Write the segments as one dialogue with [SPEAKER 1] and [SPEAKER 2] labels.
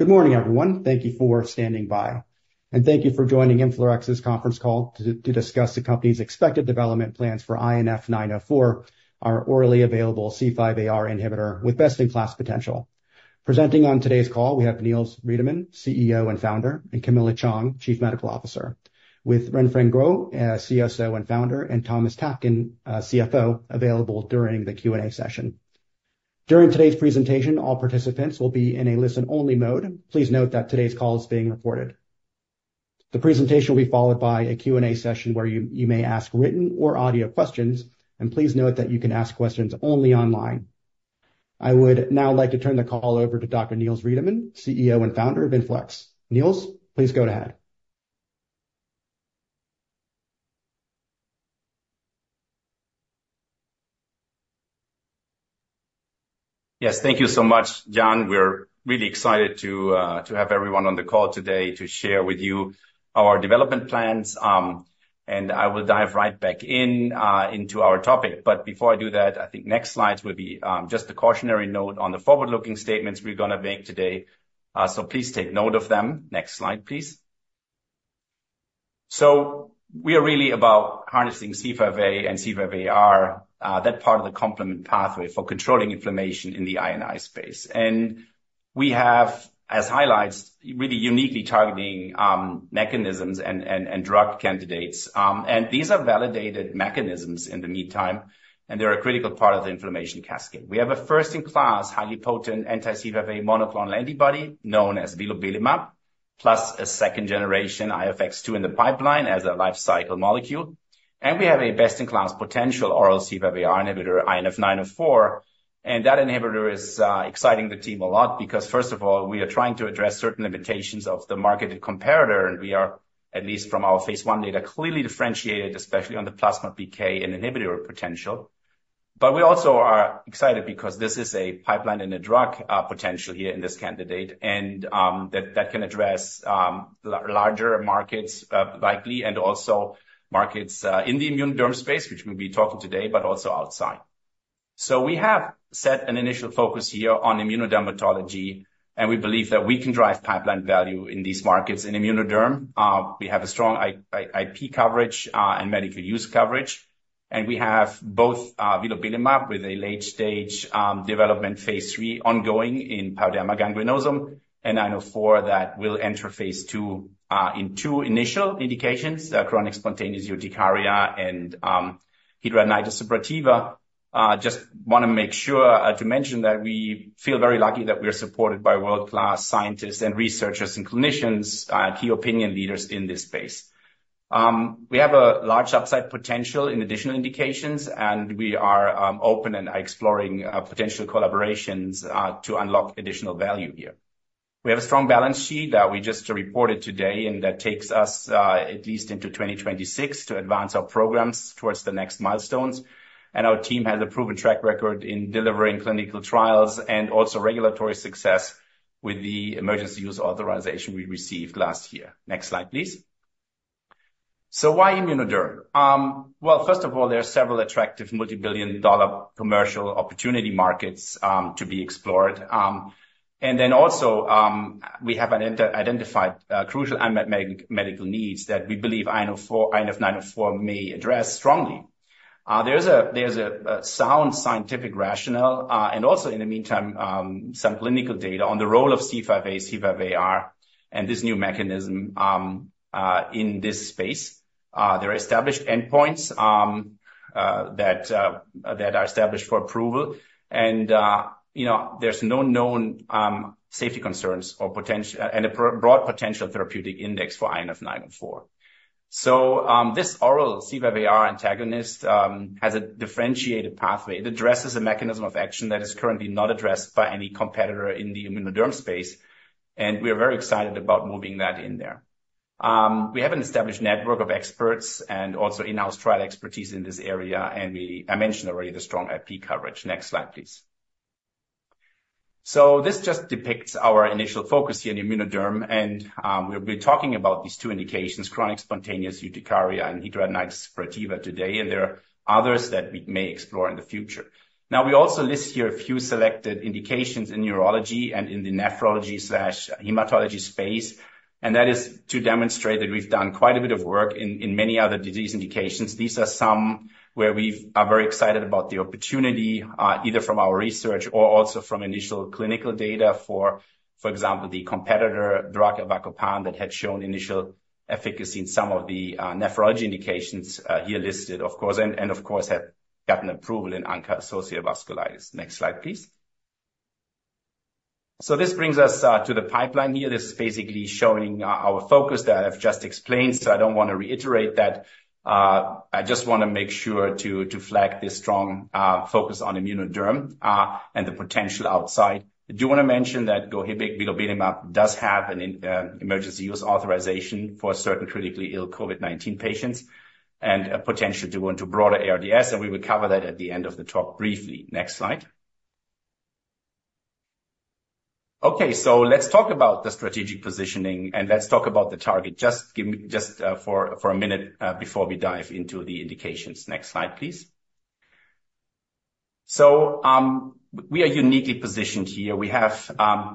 [SPEAKER 1] Good morning, everyone. Thank you for standing by, and thank you for joining InflaRx's conference call to discuss the company's expected development plans for INF904, our orally available C5aR inhibitor with best-in-class potential. Presenting on today's call, we have Niels Riedemann, CEO and founder, and Camilla Chong, Chief Medical Officer, with Renfeng Guo, CSO and founder, and Thomas Taapken, CFO, available during the Q&A session. During today's presentation, all participants will be in a listen-only mode. Please note that today's call is being recorded. The presentation will be followed by a Q&A session where you may ask written or audio questions, and please note that you can ask questions only online. I would now like to turn the call over to Dr. Niels Riedemann, CEO and founder of InflaRx. Niels, please go ahead.
[SPEAKER 2] Yes, thank you so much, John. We're really excited to have everyone on the call today to share with you our development plans. And I will dive right back in, into our topic. But before I do that, I think next slides will be, just a cautionary note on the forward-looking statements we're going to make today. So please take note of them. Next slide, please. So we are really about harnessing C5a and C5aR, that part of the complement pathway for controlling inflammation in the I&I space. And we have, as highlights, really uniquely targeting, mechanisms and drug candidates. And these are validated mechanisms in the meantime, and they're a critical part of the inflammation cascade. We have a first-in-class, highly potent anti-C5a monoclonal antibody known as vilobelimab, plus a second generation IFX-2 in the pipeline as a life cycle molecule. We have a best-in-class potential oral C5aR inhibitor, INF904. That inhibitor is exciting the team a lot because, first of all, we are trying to address certain limitations of the marketed comparator, and we are, at least from our phase I data, clearly differentiated, especially on the plasma PK inhibitor potential. But we also are excited because this is a pipeline and a drug potential here in this candidate, and that can address larger markets, likely, and also markets in the immunodermatology space, which we'll be talking about today, but also outside. So we have set an initial focus here on immunodermatology, and we believe that we can drive pipeline value in these markets. In immunodermatology, we have a strong IP coverage and medical use coverage, and we have both vilobelimab with a late-stage development phase III ongoing in pyoderma gangrenosum, and INF904 that will enter phase II in 2 initial indications, chronic spontaneous urticaria and hidradenitis suppurativa. Just want to make sure to mention that we feel very lucky that we are supported by world-class scientists and researchers and clinicians, key opinion leaders in this space. We have a large upside potential in additional indications, and we are open and exploring potential collaborations to unlock additional value here. We have a strong balance sheet that we just reported today, and that takes us at least into 2026 to advance our programs towards the next milestones. Our team has a proven track record in delivering clinical trials and also regulatory success with the emergency use authorization we received last year. Next slide, please. So why immunodermatology? Well, first of all, there are several attractive multibillion-dollar commercial opportunity markets to be explored. And then also, we have identified crucial unmet medical needs that we believe INF904 may address strongly. There's a sound scientific rationale, and also in the meantime, some clinical data on the role of C5a, C5aR, and this new mechanism in this space. There are established endpoints that are established for approval and, you know, there's no known safety concerns and a broad potential therapeutic index for INF904. So, this oral C5aR antagonist has a differentiated pathway. It addresses a mechanism of action that is currently not addressed by any competitor in the immunoderm space, and we are very excited about moving that in there. We have an established network of experts and also in-house trial expertise in this area, and I mentioned already the strong IP coverage. Next slide, please. So this just depicts our initial focus here in immunoderm, and we'll be talking about these two indications, chronic spontaneous urticaria and hidradenitis suppurativa today, and there are others that we may explore in the future. Now, we also list here a few selected indications in neurology and in the nephrology slash hematology space, and that is to demonstrate that we've done quite a bit of work in many other disease indications. These are some areas where we are very excited about the opportunity, either from our research or also from initial clinical data for example, the competitor drug, avacopan, that had shown initial efficacy in some of the nephrology indications here listed, of course, and of course have gotten approval in ANCA-associated vasculitis. Next slide, please. So this brings us to the pipeline here. This is basically showing our focus that I've just explained, so I don't want to reiterate that. I just want to make sure to flag this strong focus on immunodermatology and the potential outside. I do want to mention that Gohibic vilobelimab does have an emergency use authorization for certain critically ill COVID-19 patients and a potential to go into broader ARDS, and we will cover that at the end of the talk briefly. Next slide. Okay, so let's talk about the strategic positioning, and let's talk about the target. For a minute before we dive into the indications. Next slide, please. We are uniquely positioned here. We have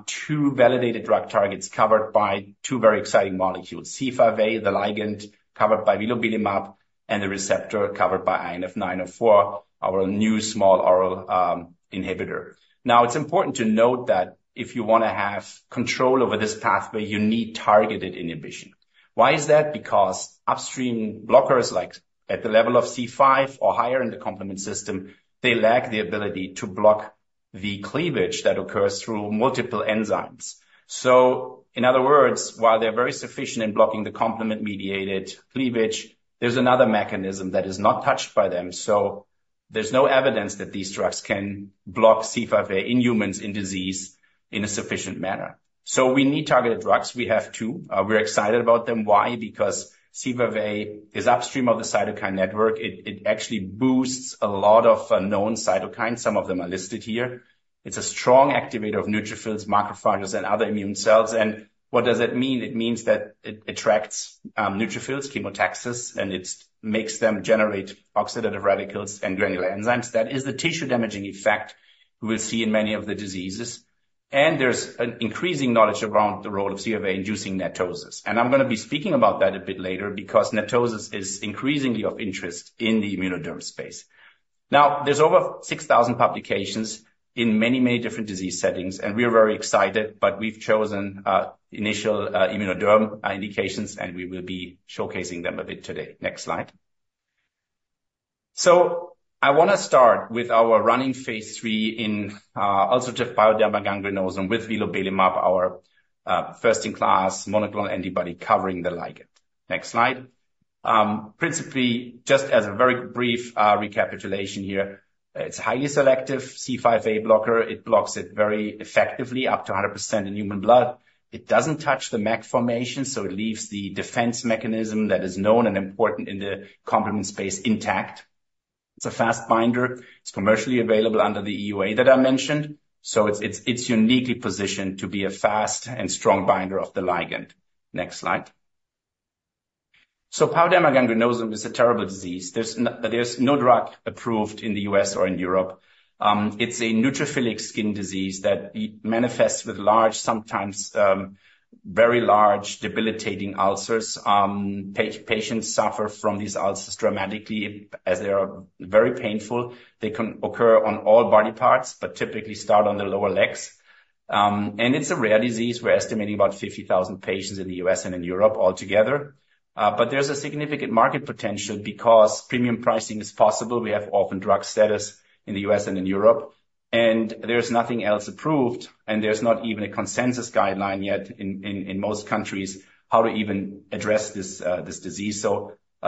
[SPEAKER 2] two validated drug targets covered by two very exciting molecules. C5a, the ligand covered by vilobelimab, and the receptor covered by INF904, our new small oral inhibitor. Now, it's important to note that if you want to have control over this pathway, you need targeted inhibition. Why is that? Because upstream blockers, like at the level of C5 or higher in the complement system, they lack the ability to block the cleavage that occurs through multiple enzymes. So in other words, while they're very sufficient in blocking the complement-mediated cleavage, there's another mechanism that is not touched by them. So there's no evidence that these drugs can block C5a in humans, in disease, in a sufficient manner. So we need targeted drugs. We have two. We're excited about them. Why? Because C5a is upstream of the cytokine network. It actually boosts a lot of unknown cytokines. Some of them are listed here. It's a strong activator of neutrophils, macrophages, and other immune cells. And what does that mean? It means that it attracts neutrophils, chemotaxis, and it makes them generate oxidative radicals and granular enzymes. That is the tissue-damaging effect we'll see in many of the diseases. And there's an increasing knowledge around the role of C5a inducing NETosis. And I'm going to be speaking about that a bit later because NETosis is increasingly of interest in the immunoderm space. Now, there's over 6,000 publications in many, many different disease settings, and we are very excited, but we've chosen initial immunodermatology indications, and we will be showcasing them a bit today. Next slide. So I want to start with our running phase III in ulcerative Pyoderma Gangrenosum with vilobelimab, our first-in-class monoclonal antibody covering the ligand. Next slide. Principally, just as a very brief recapitulation here, it's a highly selective C5a blocker. It blocks it very effectively, up to 100% in human blood. It doesn't touch the MAC formation, so it leaves the defense mechanism that is known and important in the complement space intact. It's a fast binder. It's commercially available under the EUA that I mentioned. So it's uniquely positioned to be a fast and strong binder of the ligand. Next slide. So pyoderma gangrenosum is a terrible disease. There's no drug approved in the U.S. or in Europe. It's a neutrophilic skin disease that manifests with large, sometimes, very large, debilitating ulcers. Patients suffer from these ulcers dramatically, as they are very painful. They can occur on all body parts, but typically start on the lower legs. And it's a rare disease. We're estimating about 50,000 patients in the U.S. and in Europe altogether. But there's a significant market potential because premium pricing is possible. We have orphan drug status in the U.S. and in Europe, and there's nothing else approved, and there's not even a consensus guideline yet in most countries, how to even address this disease.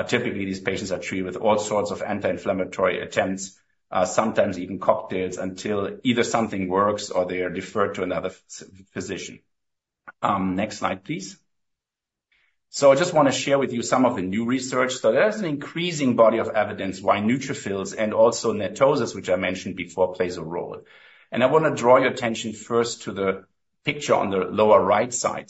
[SPEAKER 2] Typically, these patients are treated with all sorts of anti-inflammatory attempts, sometimes even cocktails, until either something works or they are referred to another physician. Next slide, please. I just want to share with you some of the new research. There's an increasing body of evidence why neutrophils and also netosis, which I mentioned before, plays a role. And I want to draw your attention first to the picture on the lower right side.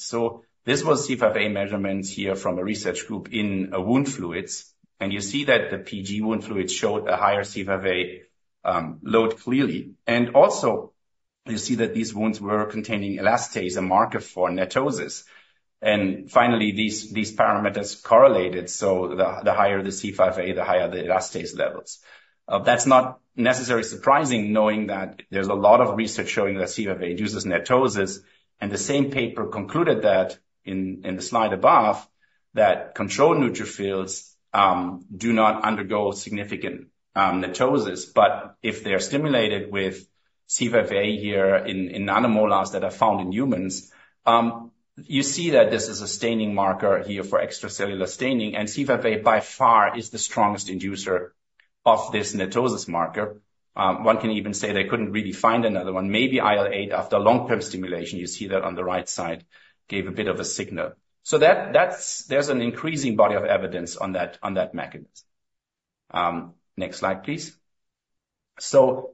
[SPEAKER 2] This was C5a measurements here from a research group in wound fluids, and you see that the PG wound fluids showed a higher C5a load clearly. And also, you see that these wounds were containing elastase, a marker for netosis. And finally, these parameters correlated, so the higher the C5a, the higher the elastase levels. That's not necessarily surprising, knowing that there's a lot of research showing that C5a induces netosis, and the same paper concluded that in the slide above, that controlled neutrophils do not undergo significant netosis. But if they are stimulated with C5a here in nanomolars that are found in humans, you see that this is a staining marker here for extracellular staining, and C5a, by far, is the strongest inducer of this netosis marker. One can even say they couldn't really find another one. Maybe IL-8 after long-term stimulation, you see that on the right side, gave a bit of a signal. So that's. There's an increasing body of evidence on that mechanism. Next slide, please. So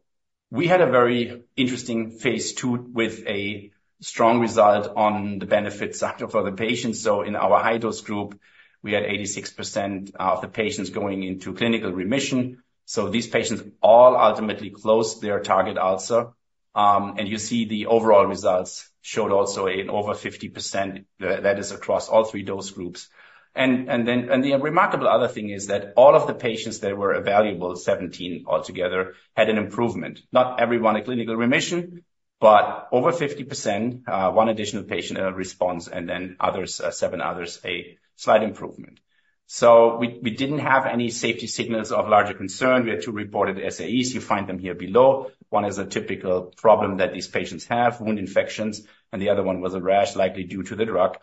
[SPEAKER 2] we had a very interesting phase II with a strong result on the benefit side for the patients. So in our high-dose group, we had 86% of the patients going into clinical remission. So these patients all ultimately closed their target ulcer. And you see the overall results showed also an over 50%, that is across all three dose groups. The remarkable other thing is that all of the patients that were evaluable, 17 altogether, had an improvement. Not everyone, a clinical remission, but over 50%, one additional patient, a response, and then others, seven others, a slight improvement. So we didn't have any safety signals of larger concern. We had 2 reported SAEs. You find them here below. One is a typical problem that these patients have, wound infections, and the other one was a rash, likely due to the drug,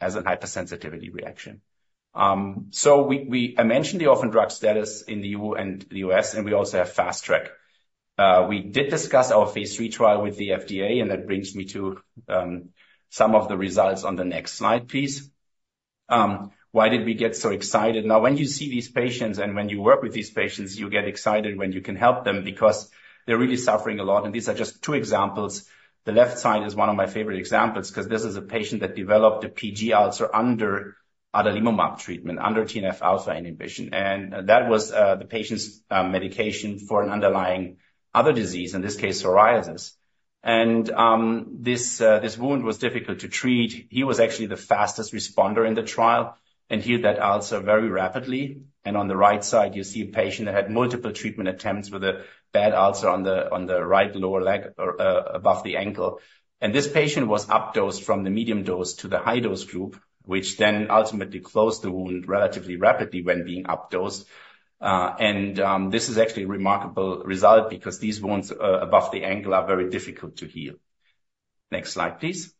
[SPEAKER 2] as an hypersensitivity reaction. So I mentioned the orphan drug status in the EU and the US, and we also have Fast Track. We did discuss our phase III trial with the FDA, and that brings me to some of the results on the next slide, please. Why did we get so excited? Now, when you see these patients and when you work with these patients, you get excited when you can help them because they're really suffering a lot, and these are just two examples. The left side is one of my favorite examples 'cause this is a patient that developed a PG ulcer under adalimumab treatment under TNF-alpha inhibition, and that was the patient's medication for an underlying other disease, in this case, psoriasis. And this wound was difficult to treat. He was actually the fastest responder in the trial, and healed that ulcer very rapidly. On the right side, you see a patient that had multiple treatment attempts with a bad ulcer on the right lower leg or above the ankle. This patient was up-dosed from the medium dose to the high-dose group, which then ultimately closed the wound relatively rapidly when being up-dosed. This is actually a remarkable result because these wounds above the ankle are very difficult to heal. Next slide, please.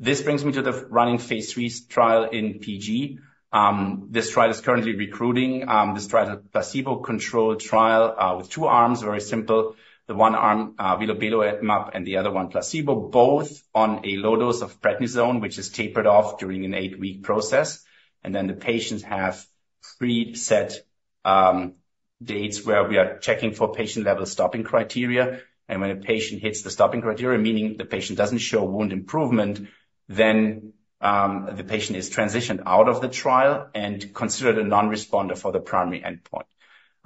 [SPEAKER 2] This brings me to the running phase III trial in PG. This trial is currently recruiting. This trial is a placebo-controlled trial with two arms, very simple. The one arm, vilobelimab, and the other one, placebo, both on a low dose of prednisone, which is tapered off during an eight week process. Then the patients have preset dates where we are checking for patient-level stopping criteria. And when a patient hits the stopping criteria, meaning the patient doesn't show wound improvement, then the patient is transitioned out of the trial and considered a non-responder for the primary endpoint.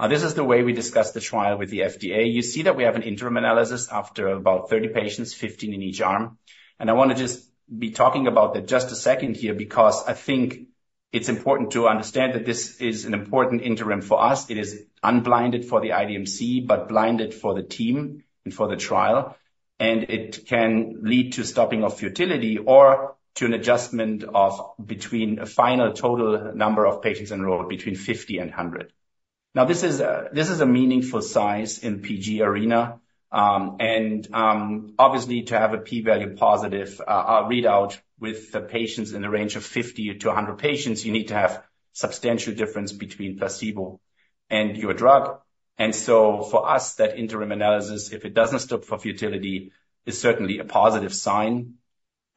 [SPEAKER 2] This is the way we discussed the trial with the FDA. You see that we have an interim analysis after about 30 patients, 15 in each arm. And I want to just be talking about that just a second here, because I think it's important to understand that this is an important interim for us. It is unblinded for the IDMC, but blinded for the team and for the trial, and it can lead to stopping of futility or to an adjustment of between a final total number of patients enrolled between 50 and 100. Now, this is a meaningful size in PG arena. And obviously, to have a p-value positive readout with the patients in the range of 50-100 patients, you need to have substantial difference between placebo and your drug. And so for us, that interim analysis, if it doesn't stop for futility, is certainly a positive sign.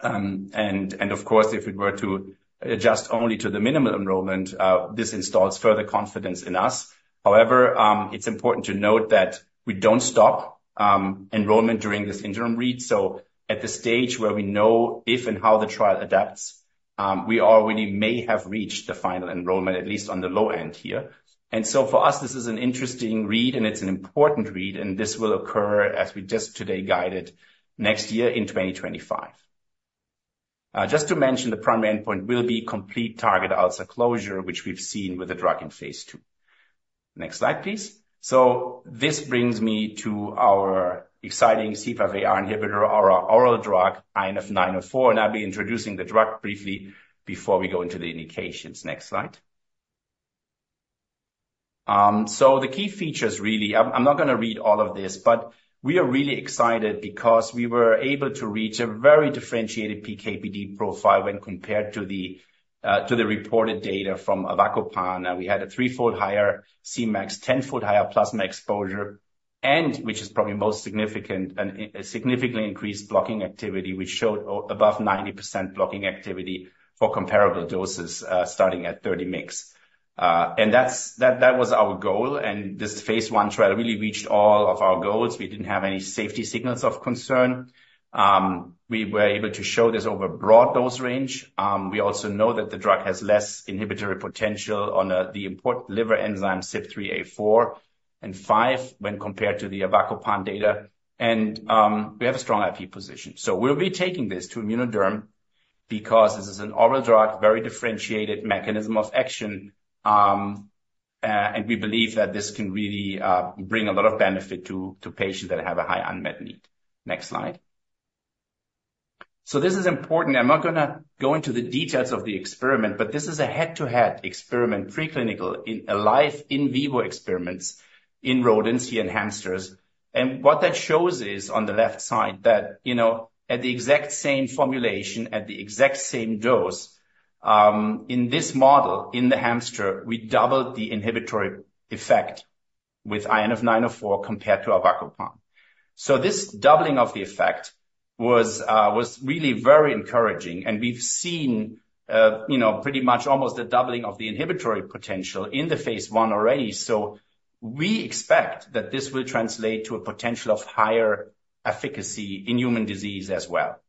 [SPEAKER 2] And of course, if it were to adjust only to the minimum enrollment, this instills further confidence in us. However, it's important to note that we don't stop enrollment during this interim read. So at the stage where we know if and how the trial adapts, we already may have reached the final enrollment, at least on the low end here. And so for us, this is an interesting read, and it's an important read, and this will occur, as we just today guided, next year in 2025. Just to mention, the primary endpoint will be complete target ulcer closure, which we've seen with the drug in phase II. Next slide, please. So this brings me to our exciting C5aR inhibitor, our oral drug, INF904, and I'll be introducing the drug briefly before we go into the indications. Next slide. So the key features, really, I'm not going to read all of this, but we are really excited because we were able to reach a very differentiated PK/PD profile when compared to the reported data from avacopan. We had a 3-fold higher Cmax, 10-fold higher plasma exposure, and which is probably most significant, a significantly increased blocking activity, which showed above 90% blocking activity for comparable doses, starting at 30 mg. And that was our goal, and this phase I trial really reached all of our goals. We didn't have any safety signals of concern. We were able to show this over a broad dose range. We also know that the drug has less inhibitory potential on the important liver enzyme CYP3A4 and 5, when compared to the Avacopan data. And we have a strong IP position. So we'll be taking this to immunodermatology because this is an oral drug, very differentiated mechanism of action, and we believe that this can really bring a lot of benefit to patients that have a high unmet need. Next slide. So this is important. I'm not going to go into the details of the experiment, but this is a head-to-head experiment, preclinical, in live in vivo experiments in rodents and hamsters. And what that shows is, on the left side, that, you know, at the exact same formulation, at the exact same dose, in this model, in the hamster, we doubled the inhibitory effect with INF904 compared to Avacopan. So this doubling of the effect was really very encouraging, and we've seen, you know, pretty much almost a doubling of the inhibitory potential in the phase I already. So we expect that this will translate to a potential of higher efficacy in human disease as well.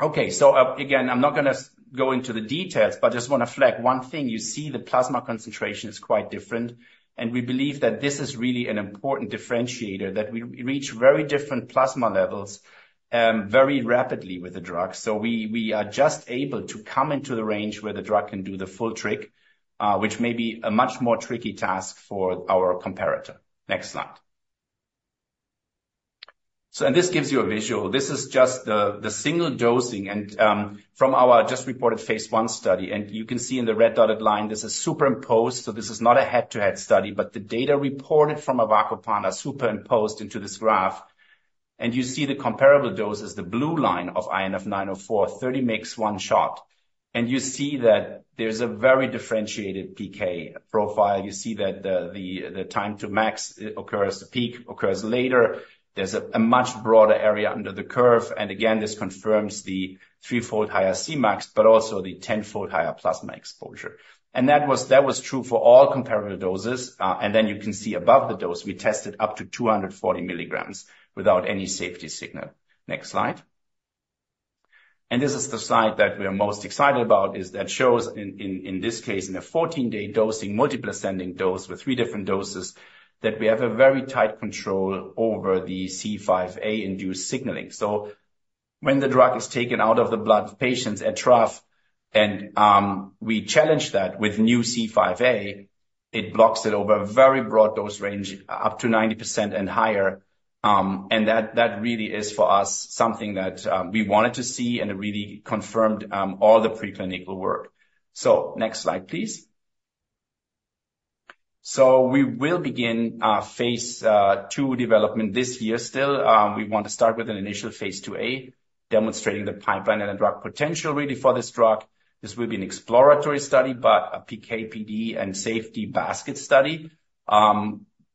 [SPEAKER 2] Okay, so, again, I'm not going to go into the details, but just want to flag one thing. You see the plasma concentration is quite different, and we believe that this is really an important differentiator, that we reach very different plasma levels, very rapidly with the drug. So we are just able to come into the range where the drug can do the full trick, which may be a much more tricky task for our comparator. Next slide. And this gives you a visual. This is just the single dosing and from our just reported phase I study, and you can see in the red dotted line, this is superimposed, so this is not a head-to-head study, but the data reported from avacopan are superimposed into this graph. You see the comparable dose is the blue line of INF904, 30 mg, one shot. You see that there's a very differentiated PK profile. You see that the time to max occurs, the peak occurs later. There's a much broader area under the curve, and again, this confirms the threefold higher Cmax, but also the tenfold higher plasma exposure. That was true for all comparable doses. And then you can see above the dose, we tested up to 240 mg without any safety signal. Next slide. This is the slide that we are most excited about, that shows in this case, in a 14 day dosing, multiple ascending dose with three different doses, that we have a very tight control over the C5a-induced signaling. So when the drug is taken out of the blood of patients at trough, and we challenge that with new C5a, it blocks it over a very broad dose range, up to 90% and higher. And that really is, for us, something that we wanted to see and it really confirmed all the preclinical work. So next slide, please. So we will begin our phase II development this year still. We want to start with an initial phase IIa, demonstrating the pipeline and the drug potential really for this drug. This will be an exploratory study, but a PK, PD and safety basket study.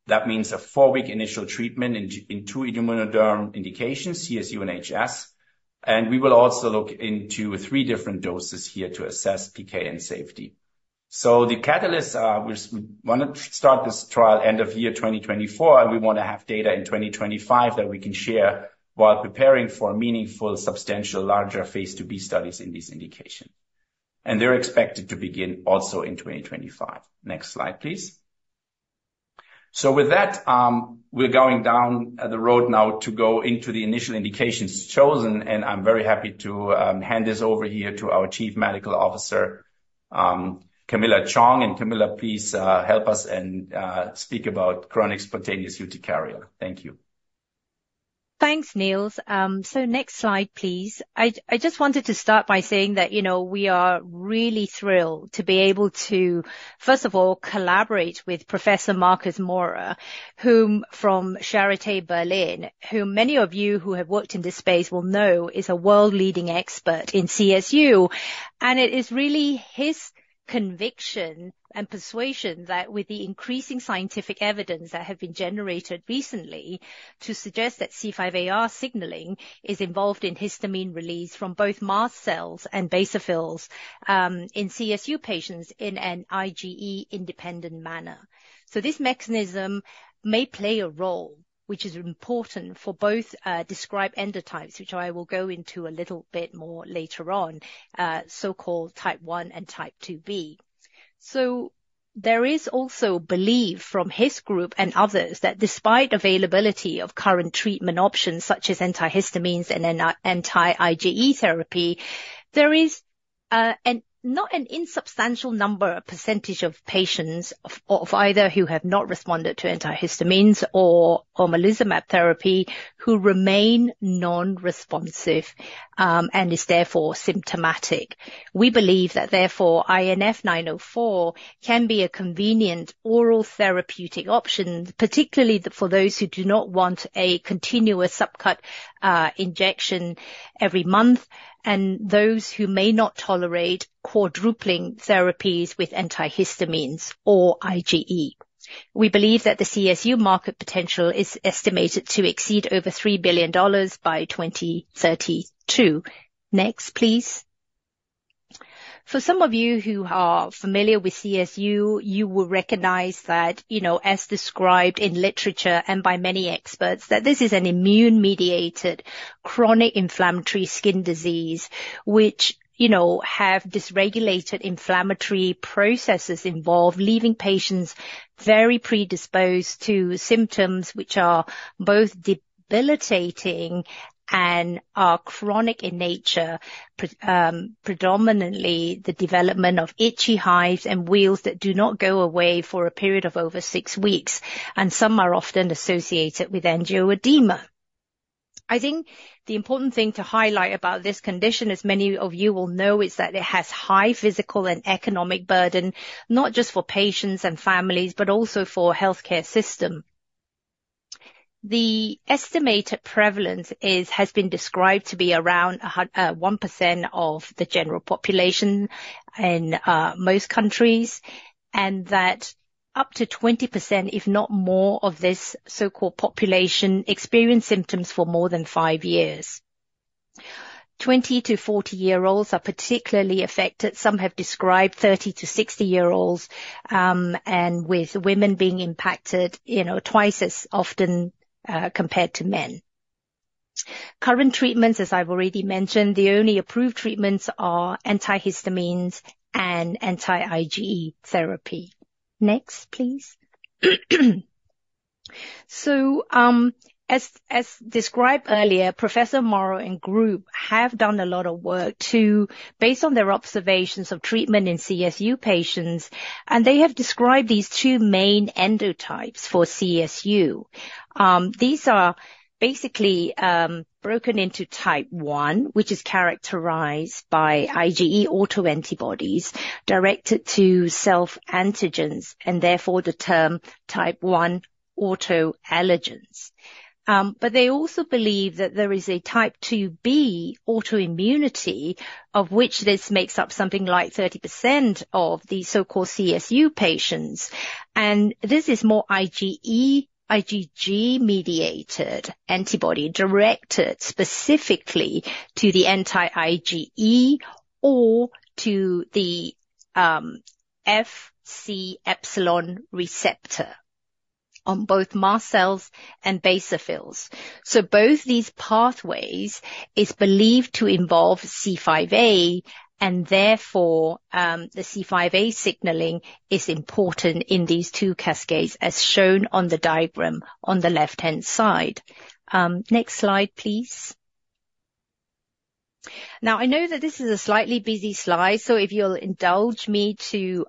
[SPEAKER 2] That means a four-week initial treatment in two immunodermatology indications, CSU and HS. We will also look into three different doses here to assess PK and safety. The catalysts are, we want to start this trial end of year, 2024, and we want to have data in 2025 that we can share while preparing for a meaningful, substantial, larger phase IIb studies in this indication. They're expected to begin also in 2025. Next slide, please. With that, we're going down the road now to go into the initial indications chosen, and I'm very happy to hand this over here to our Chief Medical Officer, Camilla Chong. Camilla, please, help us and speak about chronic spontaneous urticaria. Thank you.
[SPEAKER 3] Thanks, Niels. So next slide, please. I just wanted to start by saying that, you know, we are really thrilled to be able to, first of all, collaborate with Professor Markus Maurer, who from Charité Berlin, who many of you who have worked in this space will know, is a world-leading expert in CSU. It is really his conviction and persuasion that with the increasing scientific evidence that have been generated recently, to suggest that C5aR signaling is involved in histamine release from both mast cells and basophils, in CSU patients in an IgE-independent manner. So this mechanism may play a role, which is important for both, described endotypes, which I will go into a little bit more later on, so-called Type 1 and type IIb. So there is also belief from his group and others that despite availability of current treatment options, such as antihistamines and anti-IgE therapy, there is an not an insubstantial number or percentage of patients of either who have not responded to antihistamines or omalizumab therapy, who remain non-responsive, and is therefore symptomatic. We believe that therefore, INF904 can be a convenient oral therapeutic option, particularly for those who do not want a continuous subcut injection every month, and those who may not tolerate quadrupling therapies with antihistamines or IgE. We believe that the CSU market potential is estimated to exceed over $3 billion by 2032. Next, please. For some of you who are familiar with CSU, you will recognize that, you know, as described in literature and by many experts, that this is an immune-mediated, chronic inflammatory skin disease, which, you know, have dysregulated inflammatory processes involved, leaving patients very predisposed to symptoms which are both debilitating and are chronic in nature, predominantly the development of itchy hives and wheals that do not go away for a period of over six weeks, and some are often associated with angioedema. I think the important thing to highlight about this condition, as many of you will know, is that it has high physical and economic burden, not just for patients and families, but also for healthcare system. The estimated prevalence is, has been described to be around 1% of the general population in, most countries, and that up to 20%, if not more, of this so-called population, experience symptoms for more than five years. 20 to 40-year-olds are particularly affected. Some have described 30 to 60-year-olds, and with women being impacted, you know, twice as often, compared to men. Current treatments, as I've already mentioned, the only approved treatments are antihistamines and anti-IgE therapy. Next, please. So, as described earlier, Professor Maurer and group have done a lot of work to based on their observations of treatment in CSU patients, and they have described these two main endotypes for CSU. These are basically broken into type 1, which is characterized by IgE autoantibodies directed to self-antigens, and therefore the term type 1 autoallergens. But they also believe that there is a type IIb autoimmunity, of which this makes up something like 30% of the so-called CSU patients. And this is more IgE, IgG-mediated antibody, directed specifically to the anti-IgE or to the Fc epsilon receptor on both mast cells and basophils. So both these pathways is believed to involve C5a, and therefore, the C5a signaling is important in these two cascades, as shown on the diagram on the left-hand side. Next slide, please. Now, I know that this is a slightly busy slide, so if you'll indulge me to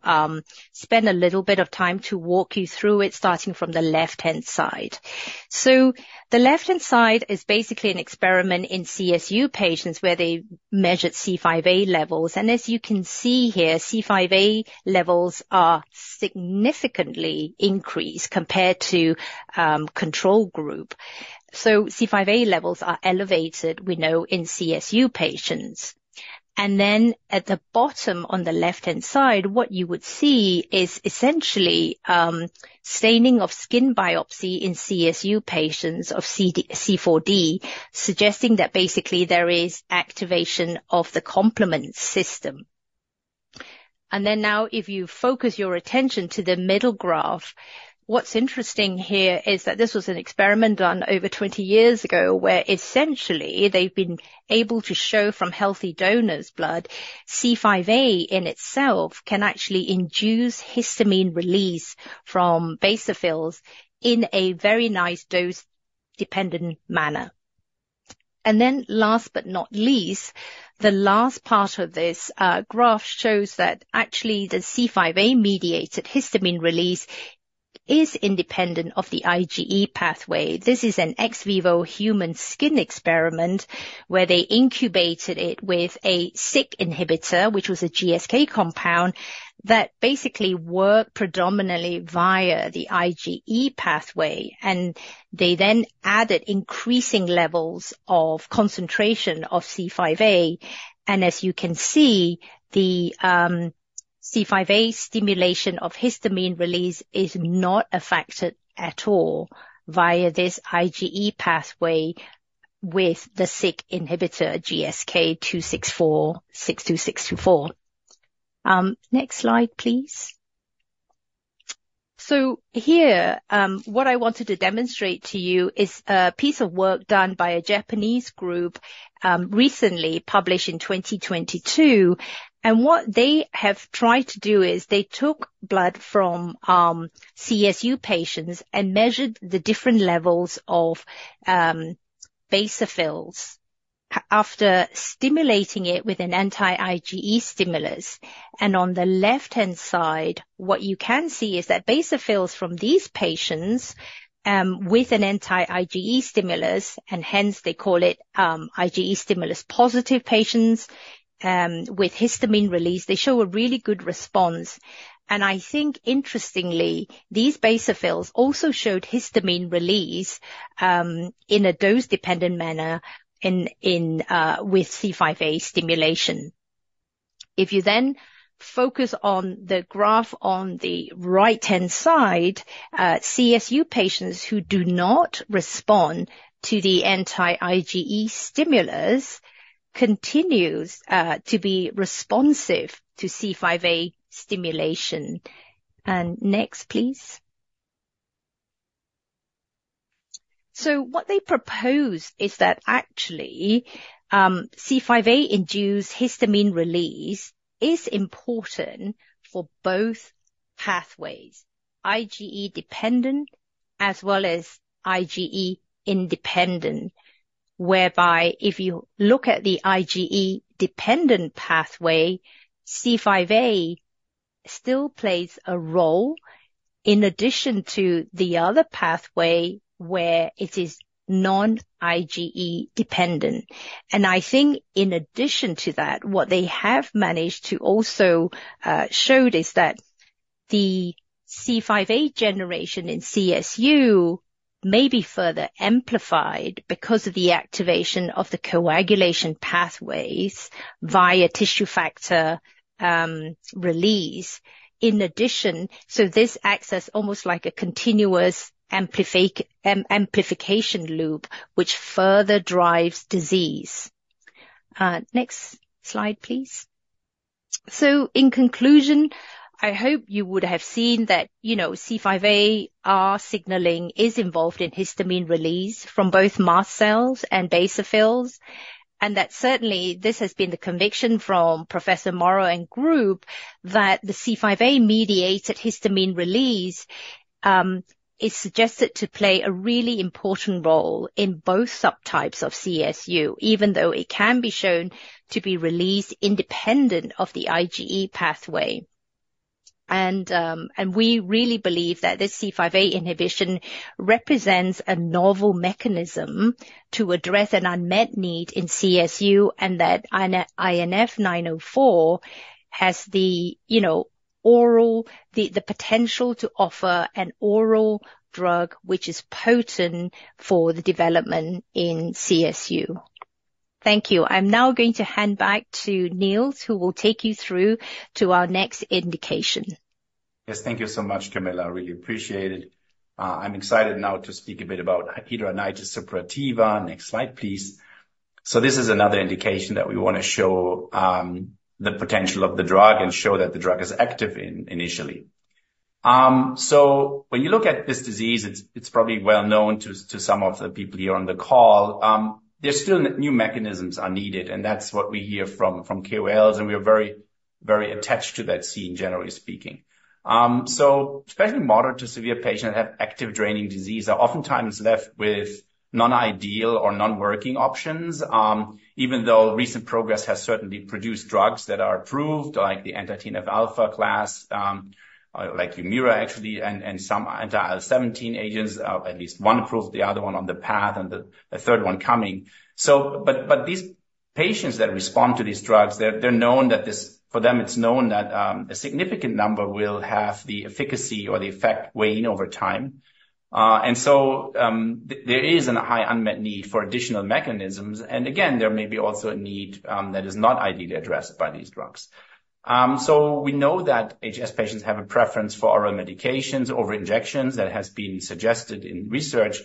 [SPEAKER 3] spend a little bit of time to walk you through it, starting from the left-hand side. So the left-hand side is basically an experiment in CSU patients where they measured C5a levels, and as you can see here, C5a levels are significantly increased compared to control group. So C5a levels are elevated, we know, in CSU patients. And then, at the bottom, on the left-hand side, what you would see is essentially, staining of skin biopsy in CSU patients of C4d, suggesting that basically there is activation of the complement system. And then, now, if you focus your attention to the middle graph, what's interesting here is that this was an experiment done over 20 years ago, where essentially, they've been able to show from healthy donors' blood, C5a in itself can actually induce histamine release from basophils in a very nice dose-dependent manner. And then last but not least, the last part of this graph shows that actually, the C5a-mediated histamine release is independent of the IgE pathway. This is an ex vivo human skin experiment where they incubated it with a Syk inhibitor, which was a GSK compound, that basically worked predominantly via the IgE pathway, and they then added increasing levels of concentration of C5a. As you can see, the C5a stimulation of histamine release is not affected at all via this IgE pathway with the Syk inhibitor GSK2646264. Next slide, please. Here, what I wanted to demonstrate to you is a piece of work done by a Japanese group, recently published in 2022. What they have tried to do is they took blood from CSU patients and measured the different levels of basophils after stimulating it with an anti-IgE stimulus. On the left-hand side, what you can see is that basophils from these patients, with an anti-IgE stimulus, and hence they call it, IgE stimulus-positive patients, with histamine release, they show a really good response. I think interestingly, these basophils also showed histamine release, in a dose-dependent manner with C5a stimulation. If you then focus on the graph on the right-hand side, CSU patients who do not respond to the anti-IgE stimulus continues to be responsive to C5a stimulation. Next, please. So what they propose is that actually, C5a-induced histamine release is important for both pathways, IgE dependent as well as IgE independent, whereby if you look at the IgE-dependent pathway, C5a still plays a role in addition to the other pathway where it is non-IgE dependent. And I think in addition to that, what they have managed to also show is that the C5a generation in CSU may be further amplified because of the activation of the coagulation pathways via tissue factor release. In addition, so this acts as almost like a continuous amplification loop, which further drives disease. Next slide, please. In conclusion, I hope you would have seen that, you know, C5aR signaling is involved in histamine release from both mast cells and basophils, and that certainly, this has been the conviction from Professor Maurer and group, that the C5a-mediated histamine release is suggested to play a really important role in both subtypes of CSU, even though it can be shown to be released independent of the IgE pathway. We really believe that this C5a inhibition represents a novel mechanism to address an unmet need in CSU, and that INF904 has the, you know, oral potential to offer an oral drug, which is potent for the development in CSU. Thank you. I'm now going to hand back to Niels, who will take you through to our next indication.
[SPEAKER 2] Yes, thank you so much, Camilla. I really appreciate it. I'm excited now to speak a bit about hidradenitis suppurativa. Next slide, please. This is another indication that we want to show the potential of the drug and show that the drug is active initially. When you look at this disease, it's probably well known to some of the people here on the call. There's still new mechanisms are needed, and that's what we hear from KOLs, and we are very attached to that scene, generally speaking. Especially moderate to severe patients that have active draining disease are oftentimes left with non-ideal or non-working options. Even though recent progress has certainly produced drugs that are approved, like, the anti-TNF-α class, like Humira, actually, and some IL-17 agents, at least one approved, the other one on the path, and the third one coming. But these patients that respond to these drugs, they're known that this - for them, it's known that a significant number will have the efficacy or the effect wane over time. And so, there is a high unmet need for additional mechanisms, and again, there may be also a need that is not ideally addressed by these drugs. So we know that HS patients have a preference for oral medications over injections. That has been suggested in research.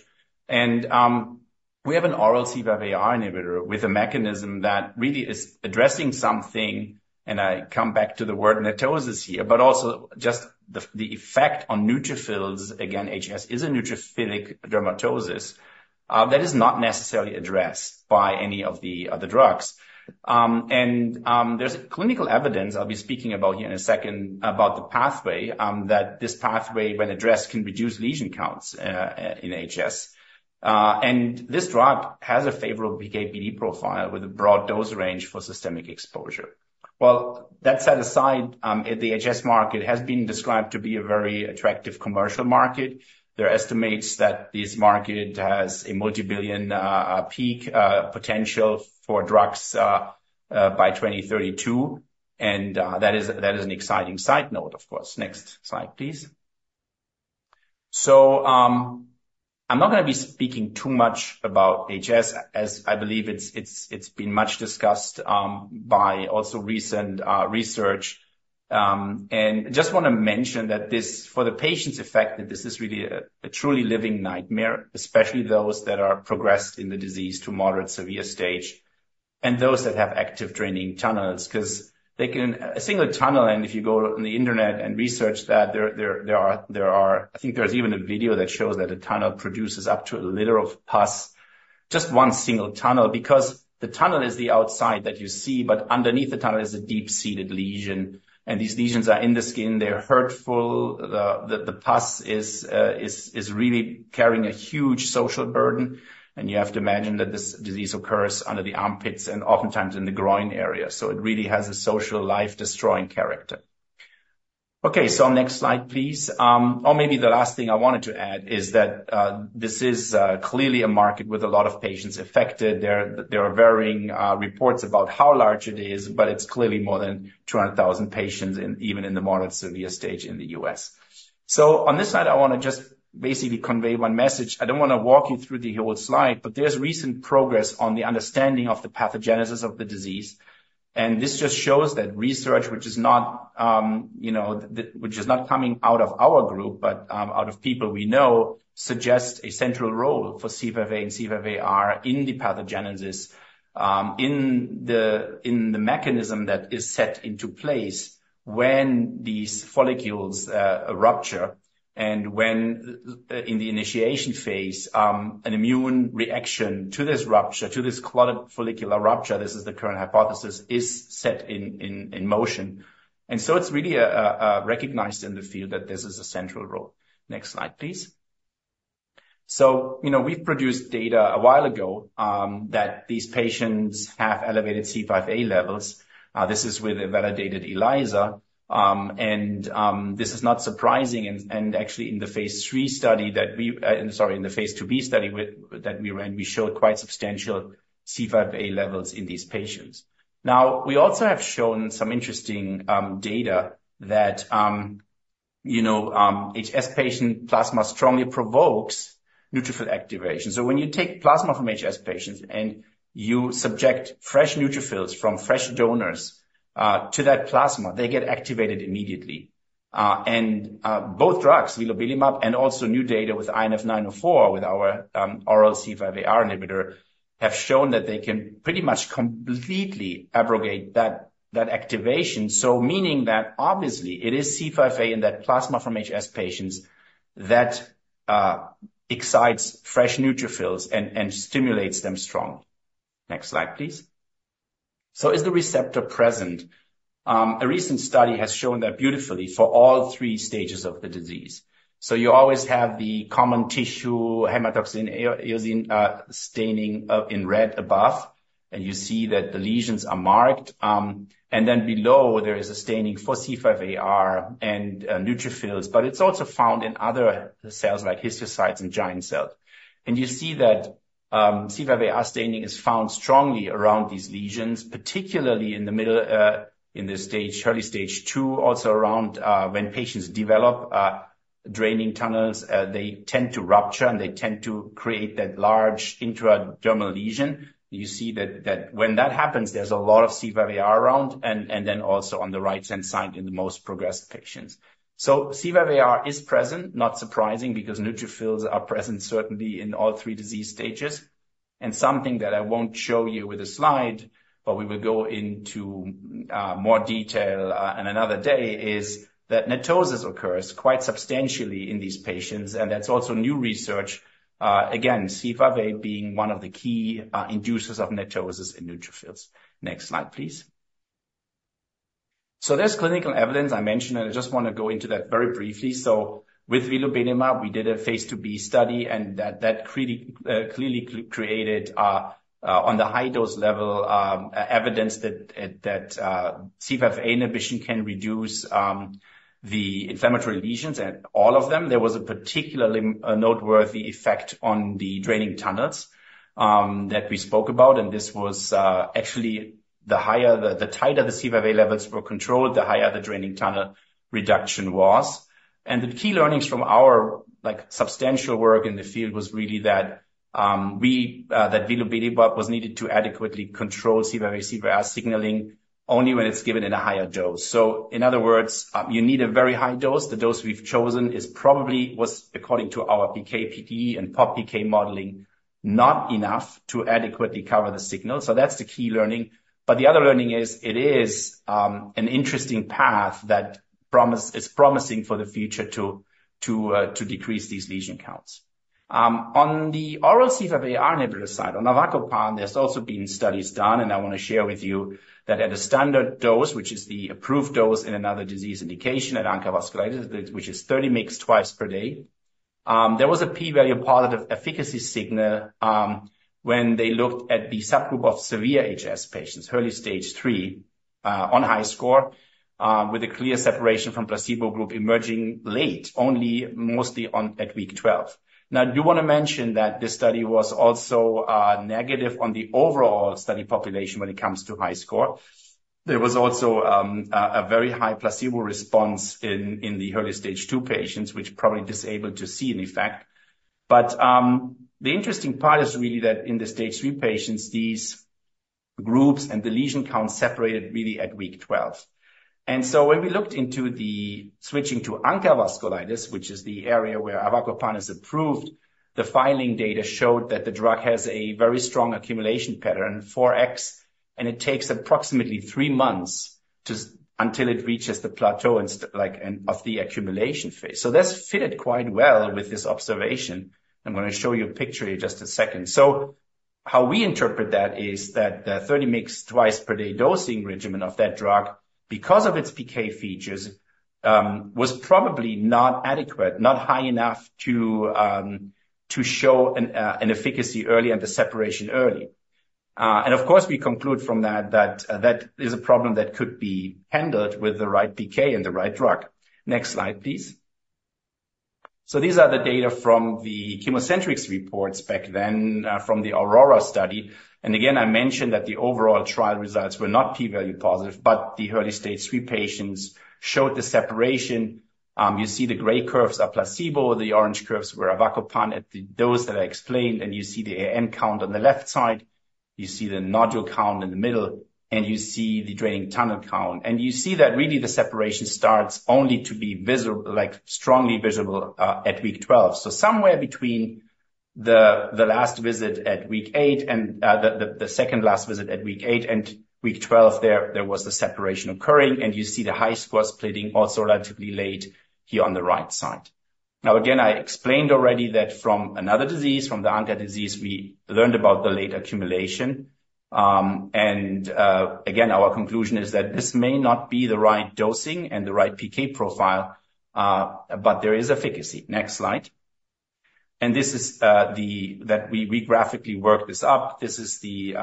[SPEAKER 2] We have an oral C5aR inhibitor with a mechanism that really is addressing something, and I come back to the word netosis here, but also just the effect on neutrophils. Again, HS is a neutrophilic dermatosis that is not necessarily addressed by any of the drugs. And there's clinical evidence, I'll be speaking about here in a second, about the pathway that this pathway, when addressed, can reduce lesion counts in HS. And this drug has a favorable PK/PD profile with a broad dose range for systemic exposure. Well, that set aside, the HS market has been described to be a very attractive commercial market. There are estimates that this market has a multibillion peak potential for drugs by 2032, and that is an exciting side note, of course. Next slide, please. So, I'm not gonna be speaking too much about HS, as I believe it's been much discussed by also recent research. And just want to mention that this, for the patients affected, this is really a truly living nightmare, especially those that are progressed in the disease to moderate, severe stage, and those that have active draining tunnels. 'Cause a single tunnel, and if you go on the internet and research that, there are. I think there's even a video that shows that a tunnel produces up to a liter of pus, just one single tunnel. Because the tunnel is the outside that you see, but underneath the tunnel is a deep-seated lesion, and these lesions are in the skin. They're hurtful. The pus is really carrying a huge social burden, and you have to imagine that this disease occurs under the armpits and oftentimes in the groin area. So it really has a social, life-destroying character. Okay, so next slide, please. Or maybe the last thing I wanted to add is that this is clearly a market with a lot of patients affected. There are varying reports about how large it is, but it's clearly more than 200,000 patients, even in the moderate severe stage in the U.S. So on this slide, I want to just basically convey one message. I don't want to walk you through the whole slide, but there's recent progress on the understanding of the pathogenesis of the disease. And this just shows that research, which is not, you know, that. Which is not coming out of our group, but out of people we know, suggests a central role for C5a and C5aR in the pathogenesis, in the mechanism that is set into place when these follicles rupture. And when in the initiation phase, an immune reaction to this rupture, to this claudic follicular rupture, this is the current hypothesis, is set in motion. And so it's really recognized in the field that this is a central role. Next slide, please. So, you know, we've produced data a while ago that these patients have elevated C5a levels. This is with a validated ELISA, and this is not surprising. And actually, in the phase IIb study that we ran, we showed quite substantial C5a levels in these patients. Now, we also have shown some interesting data that, you know, HS patient plasma strongly provokes neutrophil activation. So when you take plasma from HS patients, and you subject fresh neutrophils from fresh donors to that plasma, they get activated immediately. And both drugs, vilobelimab and also new data with INF904, with our oral C5aR inhibitor, have shown that they can pretty much completely abrogate that activation. So meaning that obviously it is C5a in that plasma from HS patients that excites fresh neutrophils and stimulates them strong. Next slide, please. So is the receptor present? A recent study has shown that beautifully for all three stages of the disease. So you always have the common tissue, hematoxylin and eosin, staining, in red above, and you see that the lesions are marked. And then below, there is a staining for C5aR and, neutrophils, but it's also found in other cells, like histiocytes and giant cells. And you see that, C5aR staining is found strongly around these lesions, particularly in the middle, in the stage, early stage two, also around, when patients develop, draining tunnels, they tend to rupture, and they tend to create that large intradermal lesion. You see that, that when that happens, there's a lot of C5aR around, and then also on the right-hand side in the most progressed patients. So C5aR is present, not surprising, because neutrophils are present, certainly in all three disease stages. Something that I won't show you with a slide, but we will go into more detail on another day, is that netosis occurs quite substantially in these patients, and that's also new research. Again, C5a being one of the key inducers of netosis in neutrophils. Next slide, please. So there's clinical evidence I mentioned, and I just want to go into that very briefly. So with vilobelimab, we did a phase IIb study, and that clearly created, on the high dose level, evidence that C5a inhibition can reduce the inflammatory lesions and all of them. There was a particularly noteworthy effect on the draining tunnels that we spoke about, and this was actually the tighter the C5a levels were controlled, the higher the draining tunnel reduction was. And the key learnings from our, like, substantial work in the field was really that vilobelimab was needed to adequately control C5a/C5aR signaling only when it's given in a higher dose. So in other words, you need a very high dose. The dose we've chosen is probably was, according to our PK, PD and pop PK modeling, not enough to adequately cover the signal. So that's the key learning. But the other learning is, it is an interesting path that is promising for the future to decrease these lesion counts. On the oral C5aR inhibitor side, on avacopan, there's also been studies done, and I want to share with you that at a standard dose, which is the approved dose in another disease indication, at ANCA vasculitis, which is 30 mg twice per day, there was a p-value positive efficacy signal, when they looked at the subgroup of severe HS patients, early stage 3, on HiSCR, with a clear separation from placebo group emerging late, only mostly on at week 12. Now, I do want to mention that this study was also negative on the overall study population when it comes to HiSCR. There was also a very high placebo response in the early stage 2 patients, which probably disabled to see an effect. But the interesting part is really that in the stage 3 patients, these groups and the lesion counts separated really at week 12. And so when we looked into the switching to ANCA vasculitis, which is the area where avacopan is approved, the filing data showed that the drug has a very strong accumulation pattern, 4x, and it takes approximately three months until it reaches the plateau, like, of the accumulation phase. So that's fitted quite well with this observation. I'm gonna show you a picture here in just a second. So how we interpret that is that the 30 mg twice per day dosing regimen of that drug, because of its PK features, was probably not adequate, not high enough to show an efficacy early and the separation early. And of course, we conclude from that, that is a problem that could be handled with the right PK and the right drug. Next slide, please. So these are the data from the ChemoCentryx reports back then, from the AURORA study. And again, I mentioned that the overall trial results were not p-value positive, but the early stage 3 patients showed the separation. You see the gray curves are placebo, the orange curves were avacopan at the dose that I explained, and you see the ANCA count on the left side, you see the nodule count in the middle, and you see the draining tunnel count. And you see that really the separation starts only to be visible, like, strongly visible, at week 12. So somewhere between the last visit at week 8 and the second last visit at week eight and week 12, there was the separation occurring, and you see the HiSCR splitting also relatively late here on the right side. Now, again, I explained already that from another disease, from the ANCA disease, we learned about the late accumulation. And again, our conclusion is that this may not be the right dosing and the right PK profile, but there is efficacy. Next slide. And this is the that we graphically work this up. This is the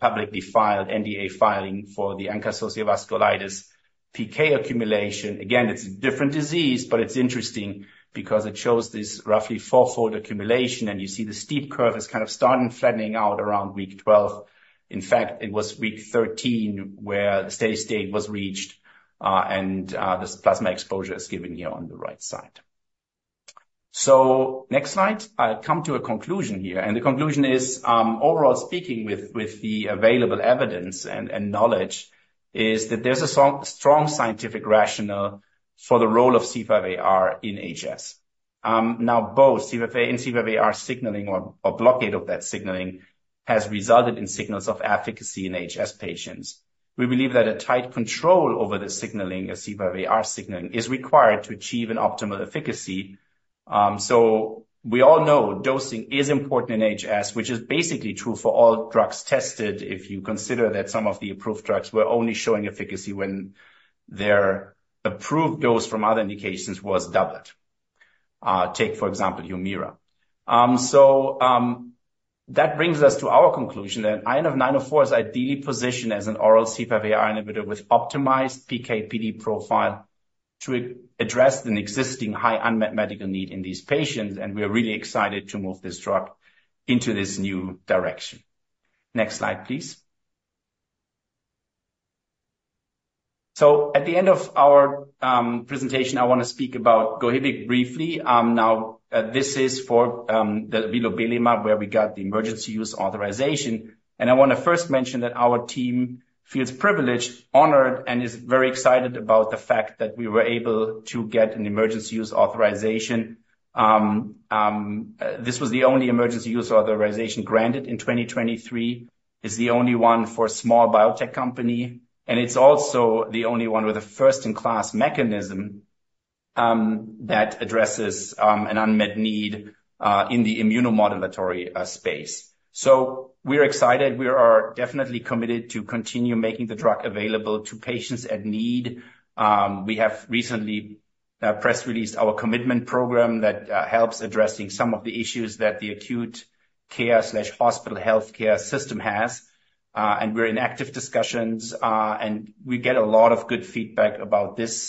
[SPEAKER 2] publicly filed NDA filing for the ANCA-associated vasculitis PK accumulation. Again, it's a different disease, but it's interesting because it shows this roughly fourfold accumulation, and you see the steep curve is kind of starting, flattening out around week 12. In fact, it was week 13 where the steady state was reached, and this plasma exposure is given here on the right side. So next slide. I come to a conclusion here, and the conclusion is, overall speaking with the available evidence and knowledge, is that there's a strong scientific rationale for the role of C5aR in HS. Now, both C5a and C5aR signaling or blockade of that signaling has resulted in signals of efficacy in HS patients. We believe that a tight control over the signaling, as C5aR signaling, is required to achieve an optimal efficacy. So we all know dosing is important in HS, which is basically true for all drugs tested, if you consider that some of the approved drugs were only showing efficacy when their approved dose from other indications was doubled. Take, for example, Humira. So, that brings us to our conclusion, that INF904 is ideally positioned as an oral C5aR inhibitor with optimized PK/PD profile to address an existing high unmet medical need in these patients, and we are really excited to move this drug into this new direction. Next slide, please. So at the end of our presentation, I want to speak about Gohibic briefly. Now, this is for the vilobelimab, where we got the emergency use authorization. And I want to first mention that our team feels privileged, honored, and is very excited about the fact that we were able to get an emergency use authorization. This was the only emergency use authorization granted in 2023. Is the only one for a small biotech company, and it's also the only one with a first-in-class mechanism, that addresses, an unmet need, in the immunomodulatory, space. So we're excited. We are definitely committed to continue making the drug available to patients at need. We have recently, press released our commitment program that, helps addressing some of the issues that the acute care/hospital healthcare system has. And we're in active discussions, and we get a lot of good feedback about this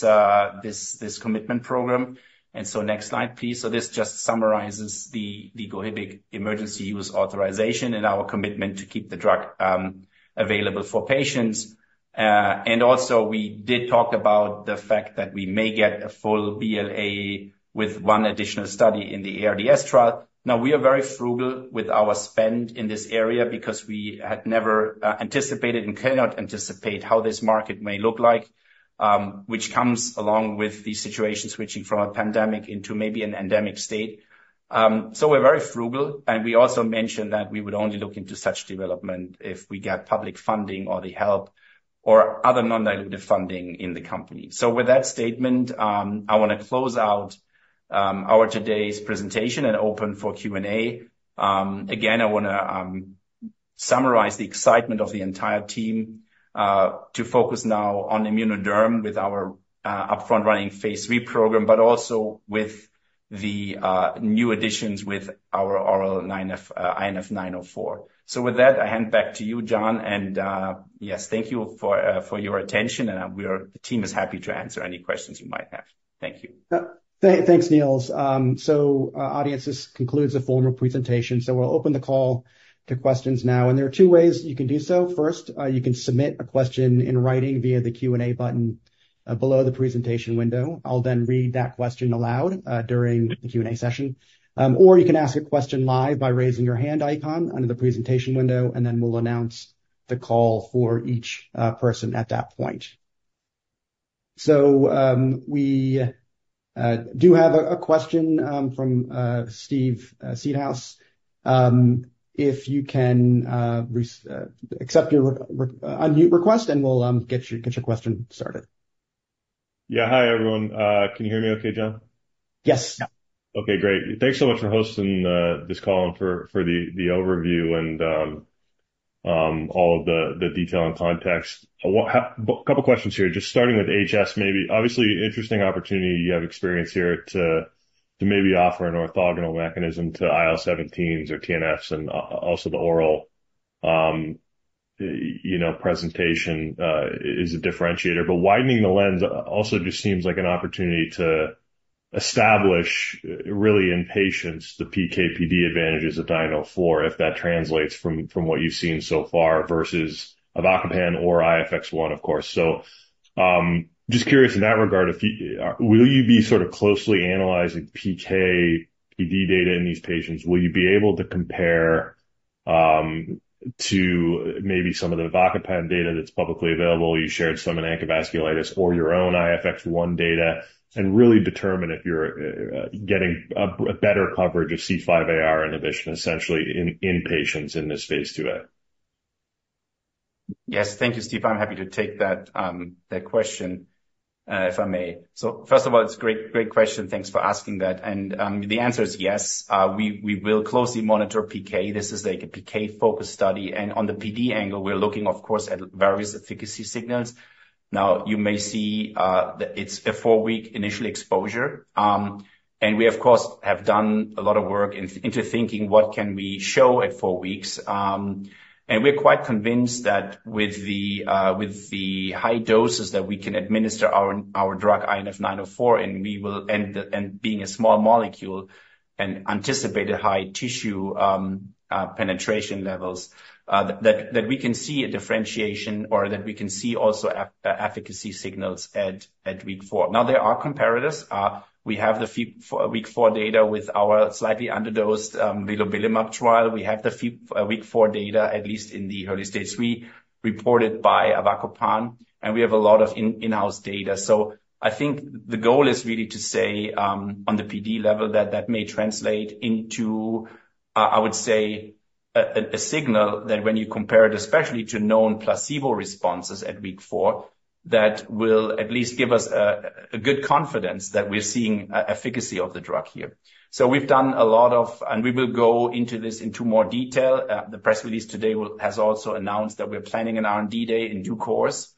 [SPEAKER 2] commitment program. And so next slide, please. So this just summarizes the Gohibic Emergency Use Authorization and our commitment to keep the drug, available for patients. And also, we did talk about the fact that we may get a full BLA with one additional study in the ARDS trial. Now, we are very frugal with our spend in this area because we had never anticipated and cannot anticipate how this market may look like, which comes along with the situation switching from a pandemic into maybe an endemic state. So we're very frugal, and we also mentioned that we would only look into such development if we get public funding or the help or other non-dilutive funding in the company. So with that statement, I want to close out our today's presentation and open for Q&A. Again, I want to summarize the excitement of the entire team to focus now on immunodermatology with our upfront running phase III program, but also with the new additions with our oral INF-904. So with that, I hand back to you, John, and yes, thank you for your attention, and the team is happy to answer any questions you might have. Thank you.
[SPEAKER 1] Thanks, Niels. So, audience, this concludes the formal presentation, so we'll open the call to questions now, and there are two ways you can do so. First, you can submit a question in writing via the Q&A button below the presentation window. I'll then read that question aloud during the Q&A session. Or you can ask a question live by raising your hand icon under the presentation window, and then we'll announce the call for each person at that point. So, we do have a question from Steve Seedhouse. If you can accept your unmute request, and we'll get your question started.
[SPEAKER 4] Yeah. Hi, everyone. Can you hear me okay, John?
[SPEAKER 1] Yes.
[SPEAKER 4] Okay, great. Thanks so much for hosting this call and for the overview and all of the detail and context. A couple questions here, just starting with HS maybe. Obviously, interesting opportunity you have experience here to maybe offer an orthogonal mechanism to IL-17s or TNFs and also the oral, you know, presentation is a differentiator. But widening the lens also just seems like an opportunity to establish, really in patients, the PK/PD advantages of INF904, if that translates from what you've seen so far, versus avacopan or IFX-1, of course. So, just curious in that regard, if you will be sort of closely analyzing PK/PD data in these patients? Will you be able to compare to maybe some of the avacopan data that's publicly available, you shared some in ANCA-associated vasculitis or your own IFX-1 data, and really determine if you're getting a better coverage of C5aR inhibition, essentially, in patients in this phase IIa?
[SPEAKER 2] Yes. Thank you, Steve. I'm happy to take that question, if I may. First of all, it's a great question. Thanks for asking that. The answer is yes, we will closely monitor PK. This is like a PK-focused study, and on the PD angle, we're looking, of course, at various efficacy signals. Now, you may see that it's a four-week initial exposure. We, of course, have done a lot of work into thinking what can we show at four weeks. And we're quite convinced that with the high doses that we can administer our drug, INF904, and we will end, and being a small molecule and anticipate a high tissue penetration levels, that we can see a differentiation or that we can see also efficacy signals at week 4. Now, there are comparatives. We have the week 4 data with our slightly underdosed vilobelimab trial. We have the week 4 data, at least in the early stages, we reported by avacopan, and we have a lot of in house data. So I think the goal is really to say, on the PD level, that may translate into, I would say, a signal that when you compare it, especially to known placebo responses at week four, that will at least give us a good confidence that we're seeing, efficacy of the drug here. So we've done a lot of - and we will go into this into more detail. The press release today will - has also announced that we're planning an R&D day in due course.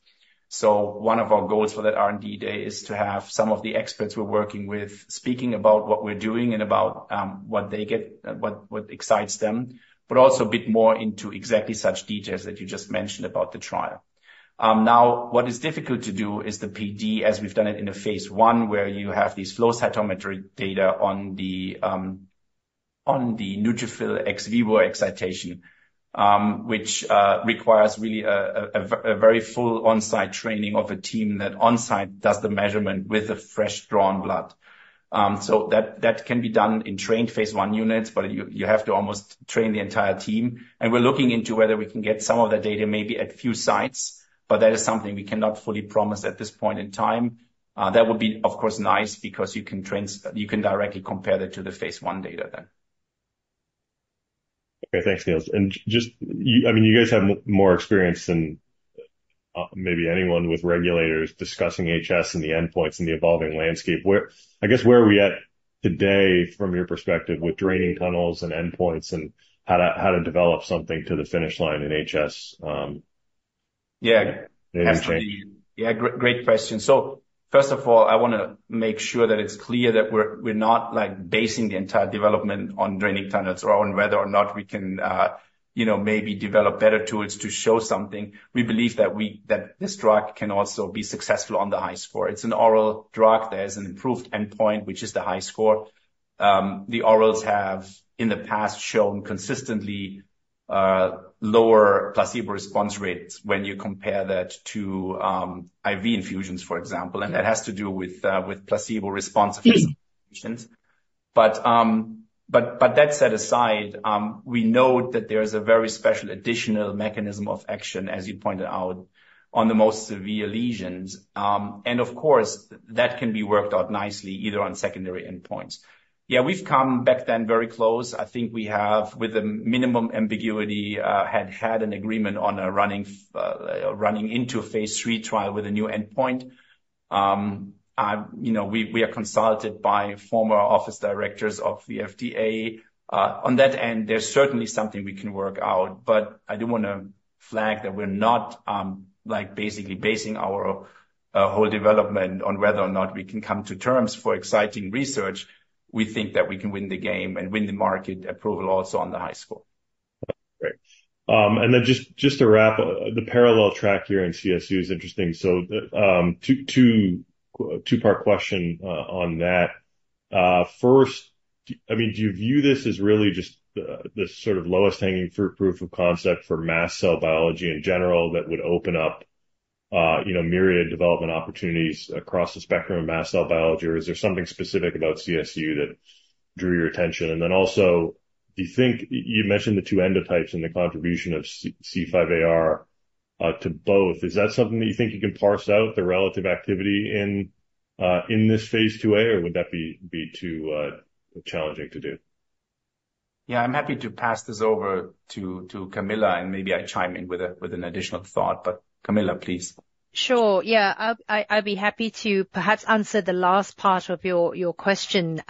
[SPEAKER 2] So one of our goals for that R&D day is to have some of the experts we're working with, speaking about what we're doing and about, what they get, what excites them, but also a bit more into exactly such details that you just mentioned about the trial. Now, what is difficult to do is the PD, as we've done it in a phase I, where you have these flow cytometric data on the, on the neutrophil ex vivo excitation, which requires really a very full on-site training of a team that on-site does the measurement with the fresh drawn blood. So that can be done in trained phase I units, but you have to almost train the entire team. And we're looking into whether we can get some of that data, maybe at few sites, but that is something we cannot fully promise at this point in time. That would be, of course, nice because you can directly compare that to the phase I data then.
[SPEAKER 4] Okay, thanks, Niels. Just you, I mean, you guys have more experience than maybe anyone with regulators discussing HS and the endpoints and the evolving landscape. Where, I guess, where are we at today from your perspective, with draining tunnels and endpoints and how to develop something to the finish line in HS?
[SPEAKER 2] Yeah.
[SPEAKER 4] Anything?
[SPEAKER 2] Yeah, great question. So first of all, I want to make sure that it's clear that we're not, like, basing the entire development on draining tunnels or on whether or not we can, you know, maybe develop better tools to show something. We believe that this drug can also be successful on the HiSCR. It's an oral drug. There's an improved endpoint, which is the HiSCR. The orals have, in the past, shown consistently, lower placebo response rates when you compare that to, IV infusions, for example. And that has to do with placebo response of patients. But that set aside, we know that there's a very special additional mechanism of action, as you pointed out, on the most severe lesions. And of course, that can be worked out nicely, either on secondary endpoints. Yeah, we've come back then very close. I think we have, with a minimum ambiguity, had an agreement on running into a phase IIIa trial with a new endpoint. You know, we are consulted by former office directors of the FDA. On that end, there's certainly something we can work out, but I do want to flag that we're not, like, basically basing our whole development on whether or not we can come to terms for exciting research. We think that we can win the game and win the market approval also on the HiSCR.
[SPEAKER 4] Great. And then just to wrap, the parallel track here in CSU is interesting. So, two-part question on that. First, I mean, do you view this as really just the sort of lowest hanging fruit proof of concept for mast cell biology in general, that would open up, you know, myriad development opportunities across the spectrum of mast cell biology? Or is there something specific about CSU that drew your attention? And then also, do you think... You mentioned the two endotypes and the contribution of C5aR to both. Is that something that you think you can parse out, the relative activity in this phase IIa, or would that be too challenging to do?
[SPEAKER 2] Yeah, I'm happy to pass this over to Camilla, and maybe I chime in with an additional thought, but Camilla, please.
[SPEAKER 3] Sure. Yeah. I'd be happy to perhaps answer the last part of your question.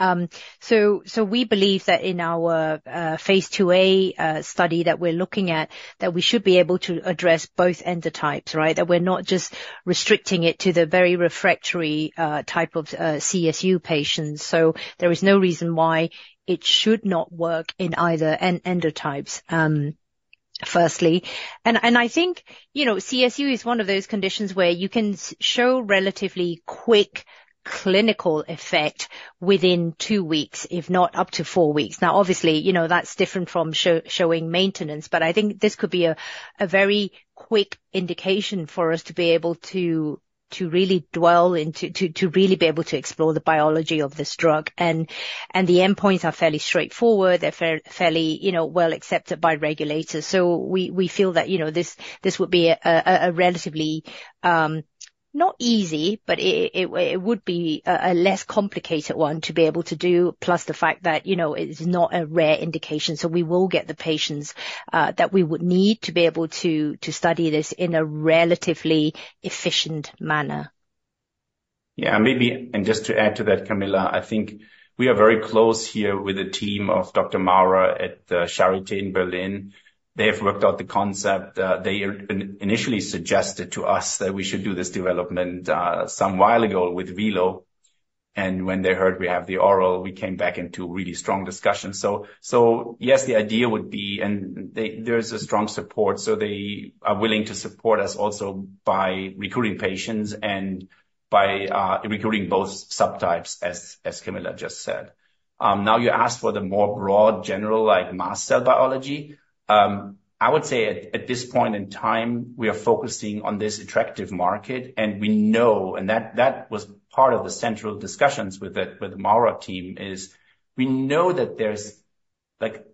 [SPEAKER 3] So we believe that in our phase IIa study that we're looking at, that we should be able to address both endotypes, right? That we're not just restricting it to the very refractory type of CSU patients. So there is no reason why it should not work in either endotypes, firstly. And I think, you know, CSU is one of those conditions where you can show relatively quick clinical effect within two weeks, if not up to four weeks. Now, obviously, you know, that's different from showing maintenance, but I think this could be a very quick indication for us to be able to really dwell into, to really be able to explore the biology of this drug. The endpoints are fairly straightforward. They're fairly, you know, well accepted by regulators. So we feel that, you know, this would be a relatively not easy, but it would be a less complicated one to be able to do. Plus, the fact that, you know, it's not a rare indication, so we will get the patients that we would need to be able to study this in a relatively efficient manner.
[SPEAKER 2] Yeah, maybe. And just to add to that, Camilla, I think we are very close here with a team of Dr. Maurer at Charité in Berlin. They have worked out the concept. They initially suggested to us that we should do this development some while ago with Vilo, and when they heard we have the oral, we came back into really strong discussions. So yes, the idea would be, and they, there's a strong support, so they are willing to support us also by recruiting patients and by recruiting both subtypes, as Camilla just said. Now, you asked for the more broad, general, like, mast cell biology. I would say at this point in time, we are focusing on this attractive market, and we know, and that was part of the central discussions with the Maurer team, is we know that there's like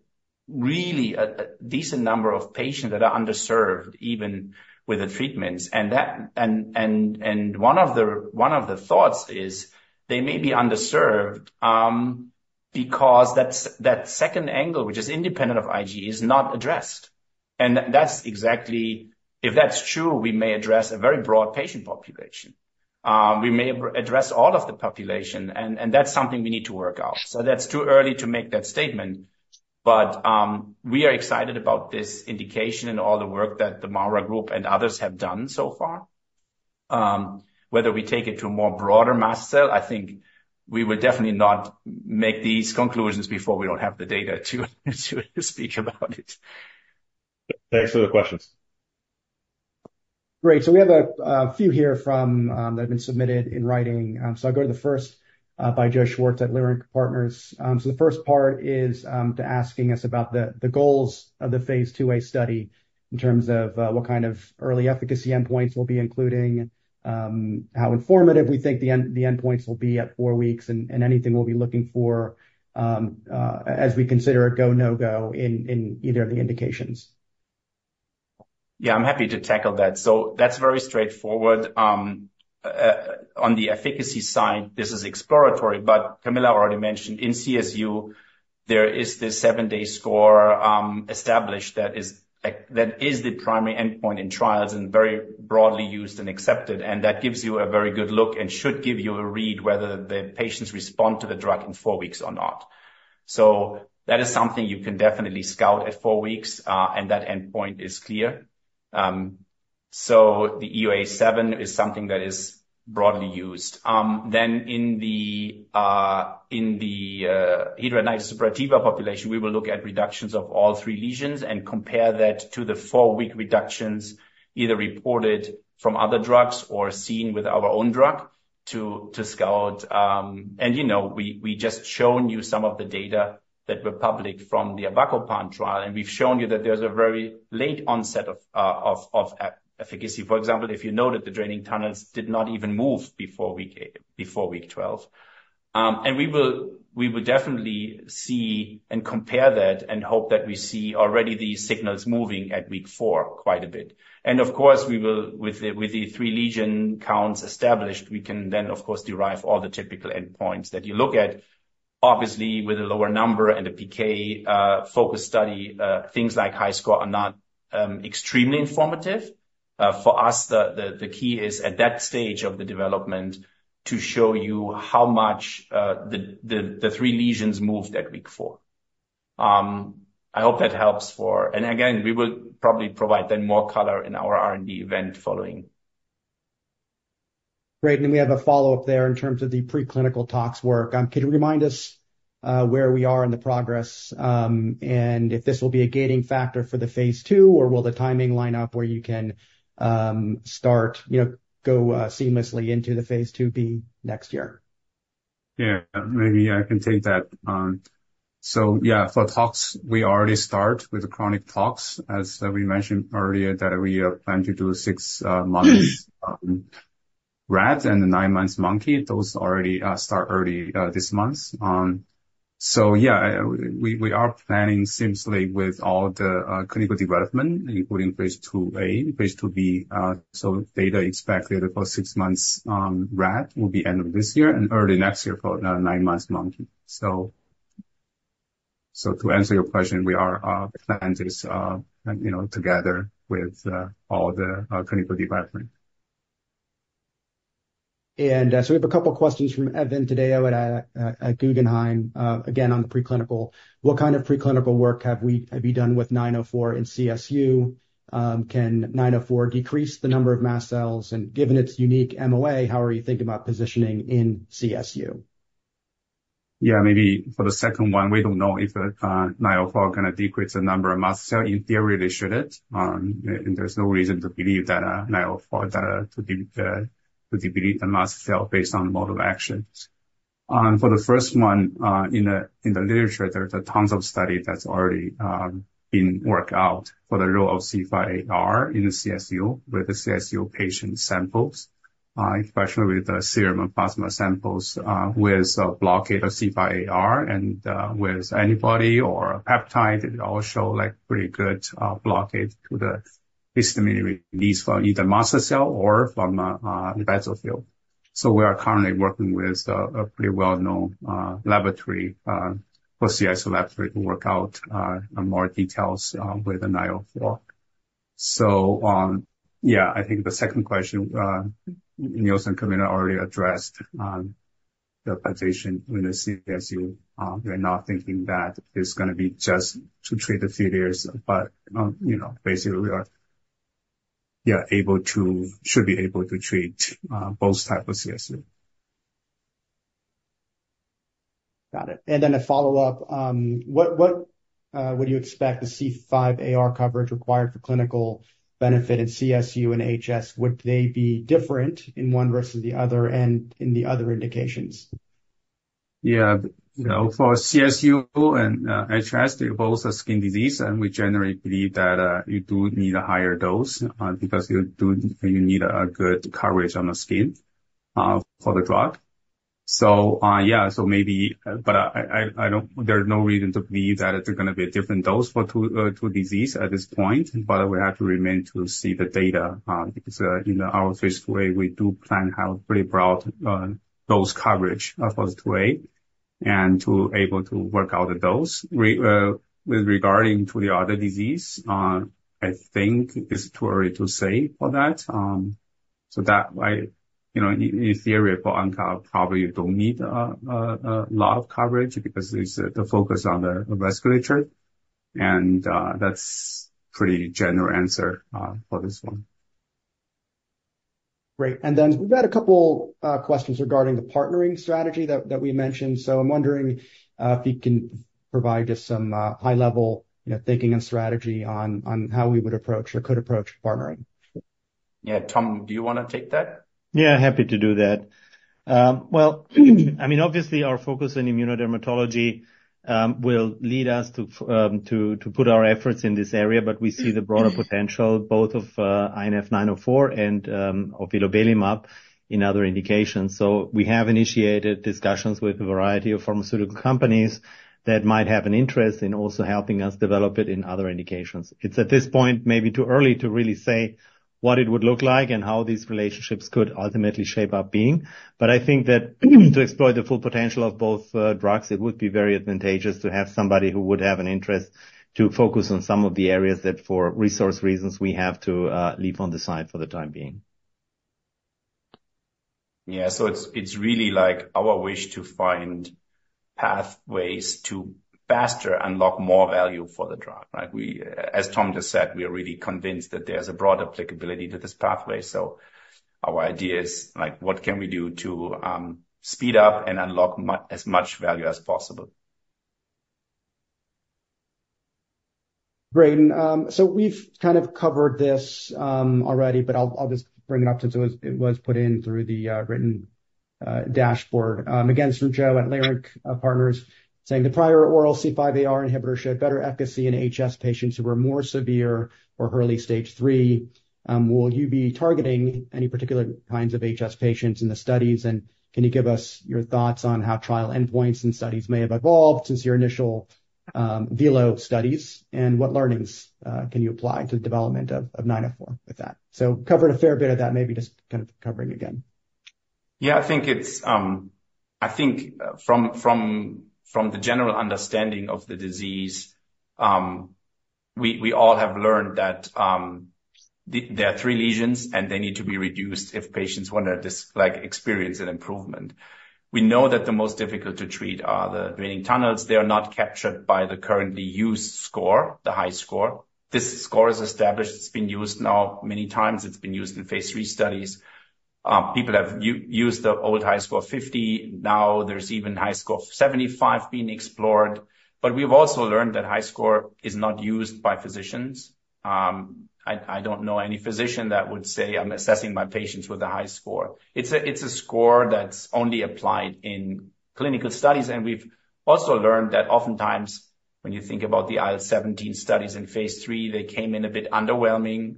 [SPEAKER 2] really a decent number of patients that are underserved, even with the treatments. And that one of the thoughts is they may be underserved because that second angle, which is independent of IG, is not addressed. And that's exactly... If that's true, we may address a very broad patient population. We may address all of the population, and that's something we need to work out. So that's too early to make that statement, but we are excited about this indication and all the work that the Maurer Group and others have done so far. Whether we take it to a more broader mast cell, I think we would definitely not make these conclusions before we don't have the data to speak about it.
[SPEAKER 4] Thanks for the questions.
[SPEAKER 1] Great, so we have a few here from that have been submitted in writing. So I'll go to the first by Joe Schwartz at Leerink Partners. So the first part is, they're asking us about the goals of the phase IIa study in terms of what kind of early efficacy endpoints we'll be including, how informative we think the endpoints will be at four weeks, and anything we'll be looking for as we consider a go/no-go in either of the indications.
[SPEAKER 2] Yeah, I'm happy to tackle that. So that's very straightforward. On the efficacy side, this is exploratory, but Camilla already mentioned in CSU, there is this seven-day score established that is, like, that is the primary endpoint in trials and very broadly used and accepted. And that gives you a very good look and should give you a read whether the patients respond to the drug in four weeks or not. So that is something you can definitely scout at four weeks, and that endpoint is clear. So the UAS7 is something that is broadly used. Then in the hidradenitis suppurativa population, we will look at reductions of all three lesions and compare that to the four-week reductions, either reported from other drugs or seen with our own drug, to scout. You know, we just shown you some of the data that were published from the avacopan trial, and we've shown you that there's a very late onset of efficacy. For example, if you know that the draining tunnels did not even move before week 12. And we will definitely see and compare that and hope that we see already these signals moving at week 4 quite a bit. And of course, with the three lesion counts established, we can then, of course, derive all the typical endpoints that you look at. Obviously, with a lower number and a PK focused study, things like HiSCR are not extremely informative. For us, the key is, at that stage of the development, to show you how much the three lesions moved at week four. I hope that helps for... And again, we will probably provide then more color in our R&D event following.
[SPEAKER 1] Great. Then we have a follow-up there in terms of the preclinical tox work. Could you remind us where we are in the progress, and if this will be a gating factor for the phase II, or will the timing line up where you can start, you know, go seamlessly into the phase IIb next year?
[SPEAKER 5] Yeah, maybe I can take that. So yeah, for tox, we already start with the chronic tox, as we mentioned earlier, that we plan to do six months rat and the nine months monkey. Those already start early this month. So yeah, we are planning seamlessly with all the clinical development, including phase IIa, phase IIb. So data expected for six months rat will be end of this year and early next year for nine months monkey. So to answer your question, we are planning this, you know, together with all the clinical development.
[SPEAKER 1] We have a couple questions from Evan today. I would add Guggenheim again on the preclinical. What kind of preclinical work have you done with INF904 in CSU? Can INF904 decrease the number of mast cells? And given its unique MOA, how are you thinking about positioning in CSU?
[SPEAKER 5] Yeah, maybe for the second one, we don't know if the INF904 gonna decrease the number of mast cell. In theory, they should it, and there's no reason to believe that INF904 does not to delete the mast cell based on mode of actions. For the first one, in the literature, there's tons of study that's already been worked out for the role of C5aR in the CSU, with the CSU patient samples, especially with the serum and plasma samples, with a blockade of C5aR and with antibody or peptide, it all show, like, pretty good blockade to the histamine release from either mast cell or from basophil. So we are currently working with a pretty well-known laboratory for CRO laboratory to work out more details with the INF904. So, yeah, I think the second question Niels and Camilla already addressed the position in the CSU. We're not thinking that it's gonna be just to treat a few areas, but you know, basically, we are, yeah, able to, should be able to treat both type of CSU.
[SPEAKER 1] Got it. And then a follow-up, what would you expect the C5aR coverage required for clinical benefit in CSU and HS? Would they be different in one versus the other and in the other indications?
[SPEAKER 5] Yeah. You know, for CSU and HS, they're both a skin disease, and we generally believe that you do need a higher dose because you need a good coverage on the skin for the drug. So, yeah, so maybe... But I don't. There's no reason to believe that it's gonna be a different dose for two diseases at this point, but we have to wait to see the data because, you know, our phase III, we do plan a pretty broad dose coverage of those two, and to be able to work out the dose. Regarding the other disease, I think it's too early to say for that. So that I... You know, in theory, for onco, probably you don't need a lot of coverage because it's the focus on the vasculature, and that's pretty general answer, for this one.
[SPEAKER 1] Great. Then we've got a couple questions regarding the partnering strategy that we mentioned. So I'm wondering if you can provide just some high-level, you know, thinking and strategy on how we would approach or could approach partnering.
[SPEAKER 2] Yeah, Tom, do you want to take that?
[SPEAKER 6] Yeah, happy to do that. Well, I mean, obviously, our focus on immunodermatology will lead us to put our efforts in this area, but we see the broader potential both of INF904 and of vilobelimab in other indications. So we have initiated discussions with a variety of pharmaceutical companies that might have an interest in also helping us develop it in other indications. It's, at this point, maybe too early to really say what it would look like and how these relationships could ultimately shape up being. But I think that to explore the full potential of both drugs, it would be very advantageous to have somebody who would have an interest to focus on some of the areas that, for resource reasons, we have to leave on the side for the time being.
[SPEAKER 2] Yeah, so it's really, like, our wish to find pathways to faster unlock more value for the drug, right? We, as Tom just said, we are really convinced that there's a broad applicability to this pathway. So our idea is, like, what can we do to speed up and unlock as much value as possible?
[SPEAKER 1] Great. So we've kind of covered this already, but I'll just bring it up since it was put in through the written dashboard. Again, from Joe at Leerink Partners, saying, "The prior oral C5aR inhibitor showed better efficacy in HS patients who were more severe or early stageIII. Will you be targeting any particular kinds of HS patients in the studies? And can you give us your thoughts on how trial endpoints and studies may have evolved since your initial vilobelimab studies, and what learnings can you apply to the development of INF904 with that?" So covered a fair bit of that, maybe just kind of covering again.
[SPEAKER 2] Yeah, I think it's from the general understanding of the disease, we all have learned that there are three lesions, and they need to be reduced if patients want to like experience an improvement. We know that the most difficult to treat are the draining tunnels. They are not captured by the currently used score, the high score. This score is established. It's been used now many times. It's been used in phase III studies. People have used the old HiSCR50, now there's even HiSCR75 being explored. But we've also learned that high score is not used by physicians. I don't know any physician that would say, "I'm assessing my patients with a HiSCR." It's a score that's only applied in clinical studies, and we've also learned that oftentimes, when you think about the IL-17 studies in phase III, they came in a bit underwhelming.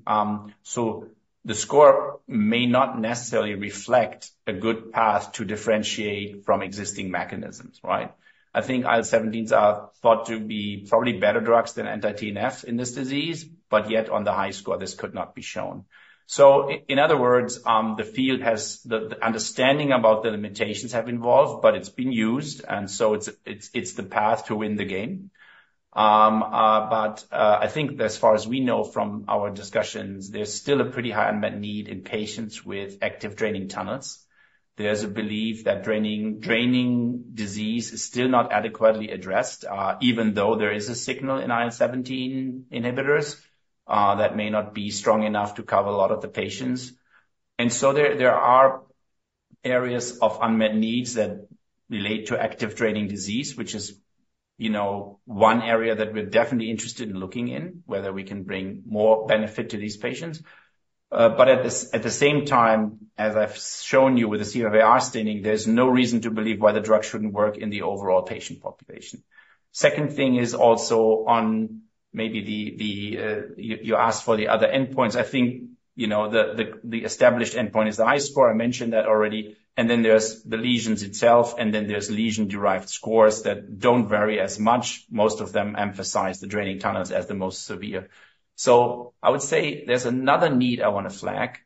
[SPEAKER 2] So the score may not necessarily reflect a good path to differentiate from existing mechanisms, right? I think IL-17s are thought to be probably better drugs than anti-TNF in this disease, but yet on the HiSCR, this could not be shown. So in other words, the field has the understanding about the limitations have evolved, but it's been used, and so it's the path to win the game. But I think as far as we know from our discussions, there's still a pretty high unmet need in patients with active draining tunnels. There's a belief that draining disease is still not adequately addressed, even though there is a signal in IL-17 inhibitors that may not be strong enough to cover a lot of the patients. And so there are areas of unmet needs that relate to active draining disease, which is, you know, one area that we're definitely interested in looking in, whether we can bring more benefit to these patients. But at the same time, as I've shown you with the C5aR staining, there's no reason to believe why the drug shouldn't work in the overall patient population. Second thing is also on maybe the other endpoints you asked for. I think, you know, the established endpoint is the HiSCR. I mentioned that already. And then there's the lesions itself, and then there's lesion-derived scores that don't vary as much. Most of them emphasize the draining tunnels as the most severe. So I would say there's another need I want to flag,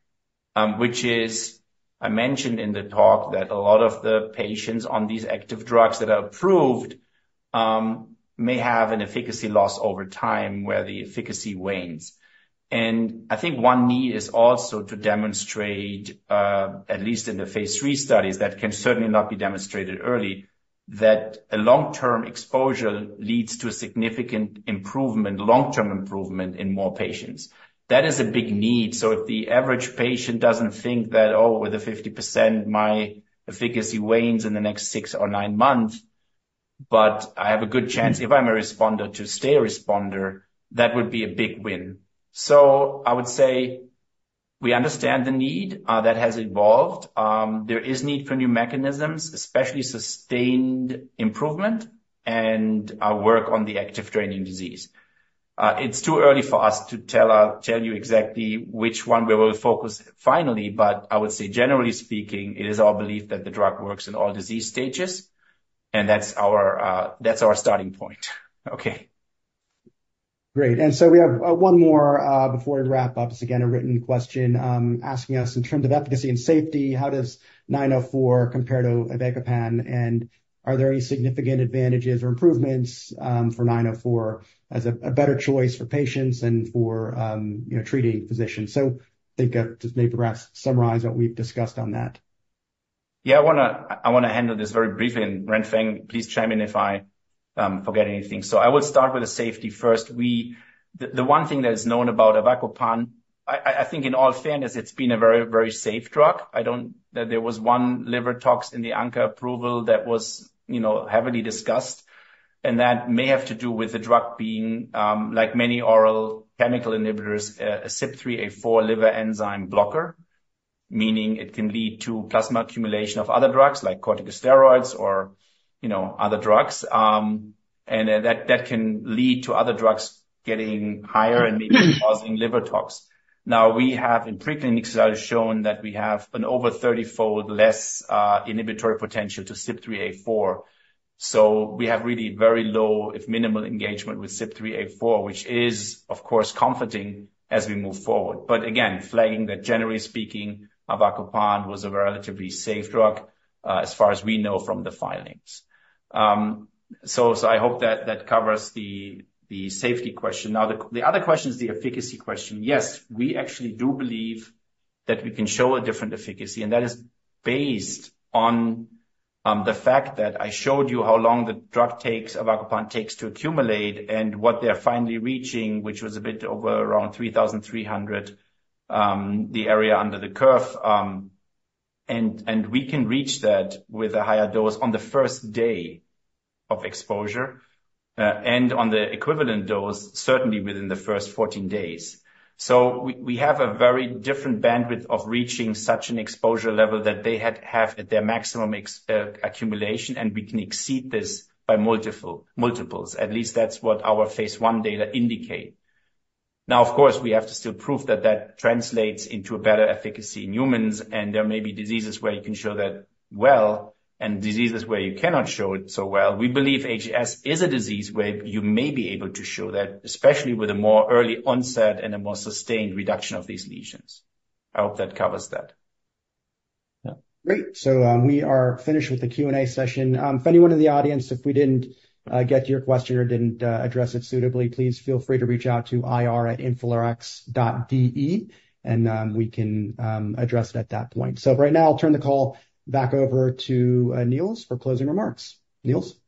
[SPEAKER 2] which is, I mentioned in the talk that a lot of the patients on these active drugs that are approved may have an efficacy loss over time, where the efficacy wanes. And I think one need is also to demonstrate, at least in the phase III studies, that can certainly not be demonstrated early, that a long-term exposure leads to a significant improvement, long-term improvement in more patients. That is a big need. So if the average patient doesn't think that, oh, with a 50%, my efficacy wanes in the next six or nine months, but I have a good chance, if I'm a responder, to stay a responder, that would be a big win. So I would say we understand the need that has evolved. There is need for new mechanisms, especially sustained improvement and work on the active draining disease. It's too early for us to tell you exactly which one we will focus finally, but I would say, generally speaking, it is our belief that the drug works in all disease stages, and that's our starting point. Okay.
[SPEAKER 1] Great. We have one more before we wrap up. It's again a written question asking us: in terms of efficacy and safety, how does INF904 compare to avacopan, and are there any significant advantages or improvements for INF904 as a better choice for patients and for, you know, treating physicians? So just maybe perhaps summarize what we've discussed on that.
[SPEAKER 2] Yeah. I want to, handle this very briefly, and Renfeng, please chime in if I forget anything. So I would start with the safety first. The one thing that is known about avacopan, I think in all fairness, it's been a very safe drug. I don't... There was one liver tox in the ANCA approval that was, you know, heavily discussed, and that may have to do with the drug being like many oral chemical inhibitors a CYP3A4 liver enzyme blocker. Meaning it can lead to plasma accumulation of other drugs, like corticosteroids or, you know, other drugs. And that can lead to other drugs getting higher and maybe causing liver tox. Now, we have in pre-clinical studies shown that we have an over 30-fold less inhibitory potential to CYP3A4. So we have really very low, if minimal engagement with CYP3A4, which is, of course, comforting as we move forward. But again, flagging that generally speaking, avacopan was a relatively safe drug, as far as we know from the filings. I hope that that covers the safety question. Now, the other question is the efficacy question. Yes, we actually do believe that we can show a different efficacy, and that is based on the fact that I showed you how long the drug takes, avacopan takes to accumulate and what they're finally reaching, which was a bit over around 3,300, the area under the curve. And we can reach that with a higher dose on the first day of exposure, and on the equivalent dose, certainly within the first 14 days. So we have a very different bandwidth of reaching such an exposure level that they have at their maximum exposure accumulation, and we can exceed this by multiples. At least that's what our phase I data indicate. Now, of course, we have to still prove that that translates into a better efficacy in humans, and there may be diseases where you can show that well, and diseases where you cannot show it so well. We believe AGS is a disease where you may be able to show that, especially with a more early onset and a more sustained reduction of these lesions. I hope that covers that.
[SPEAKER 1] Great. So, we are finished with the Q&A session. If anyone in the audience, if we didn't get to your question or didn't address it suitably, please feel free to reach out to ir@inflarx.de, and we can address it at that point. So right now, I'll turn the call back over to Niels, for closing remarks. Niels?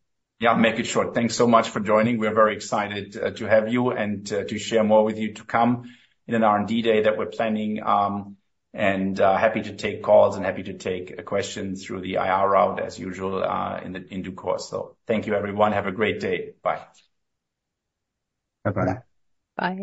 [SPEAKER 2] Yeah, make it short. Thanks so much for joining. We are very excited to have you and to share more with you to come in an R&D day that we're planning. And happy to take calls and happy to take questions through the IR route, as usual, in due course. So thank you, everyone. Have a great day. Bye.
[SPEAKER 1] Bye.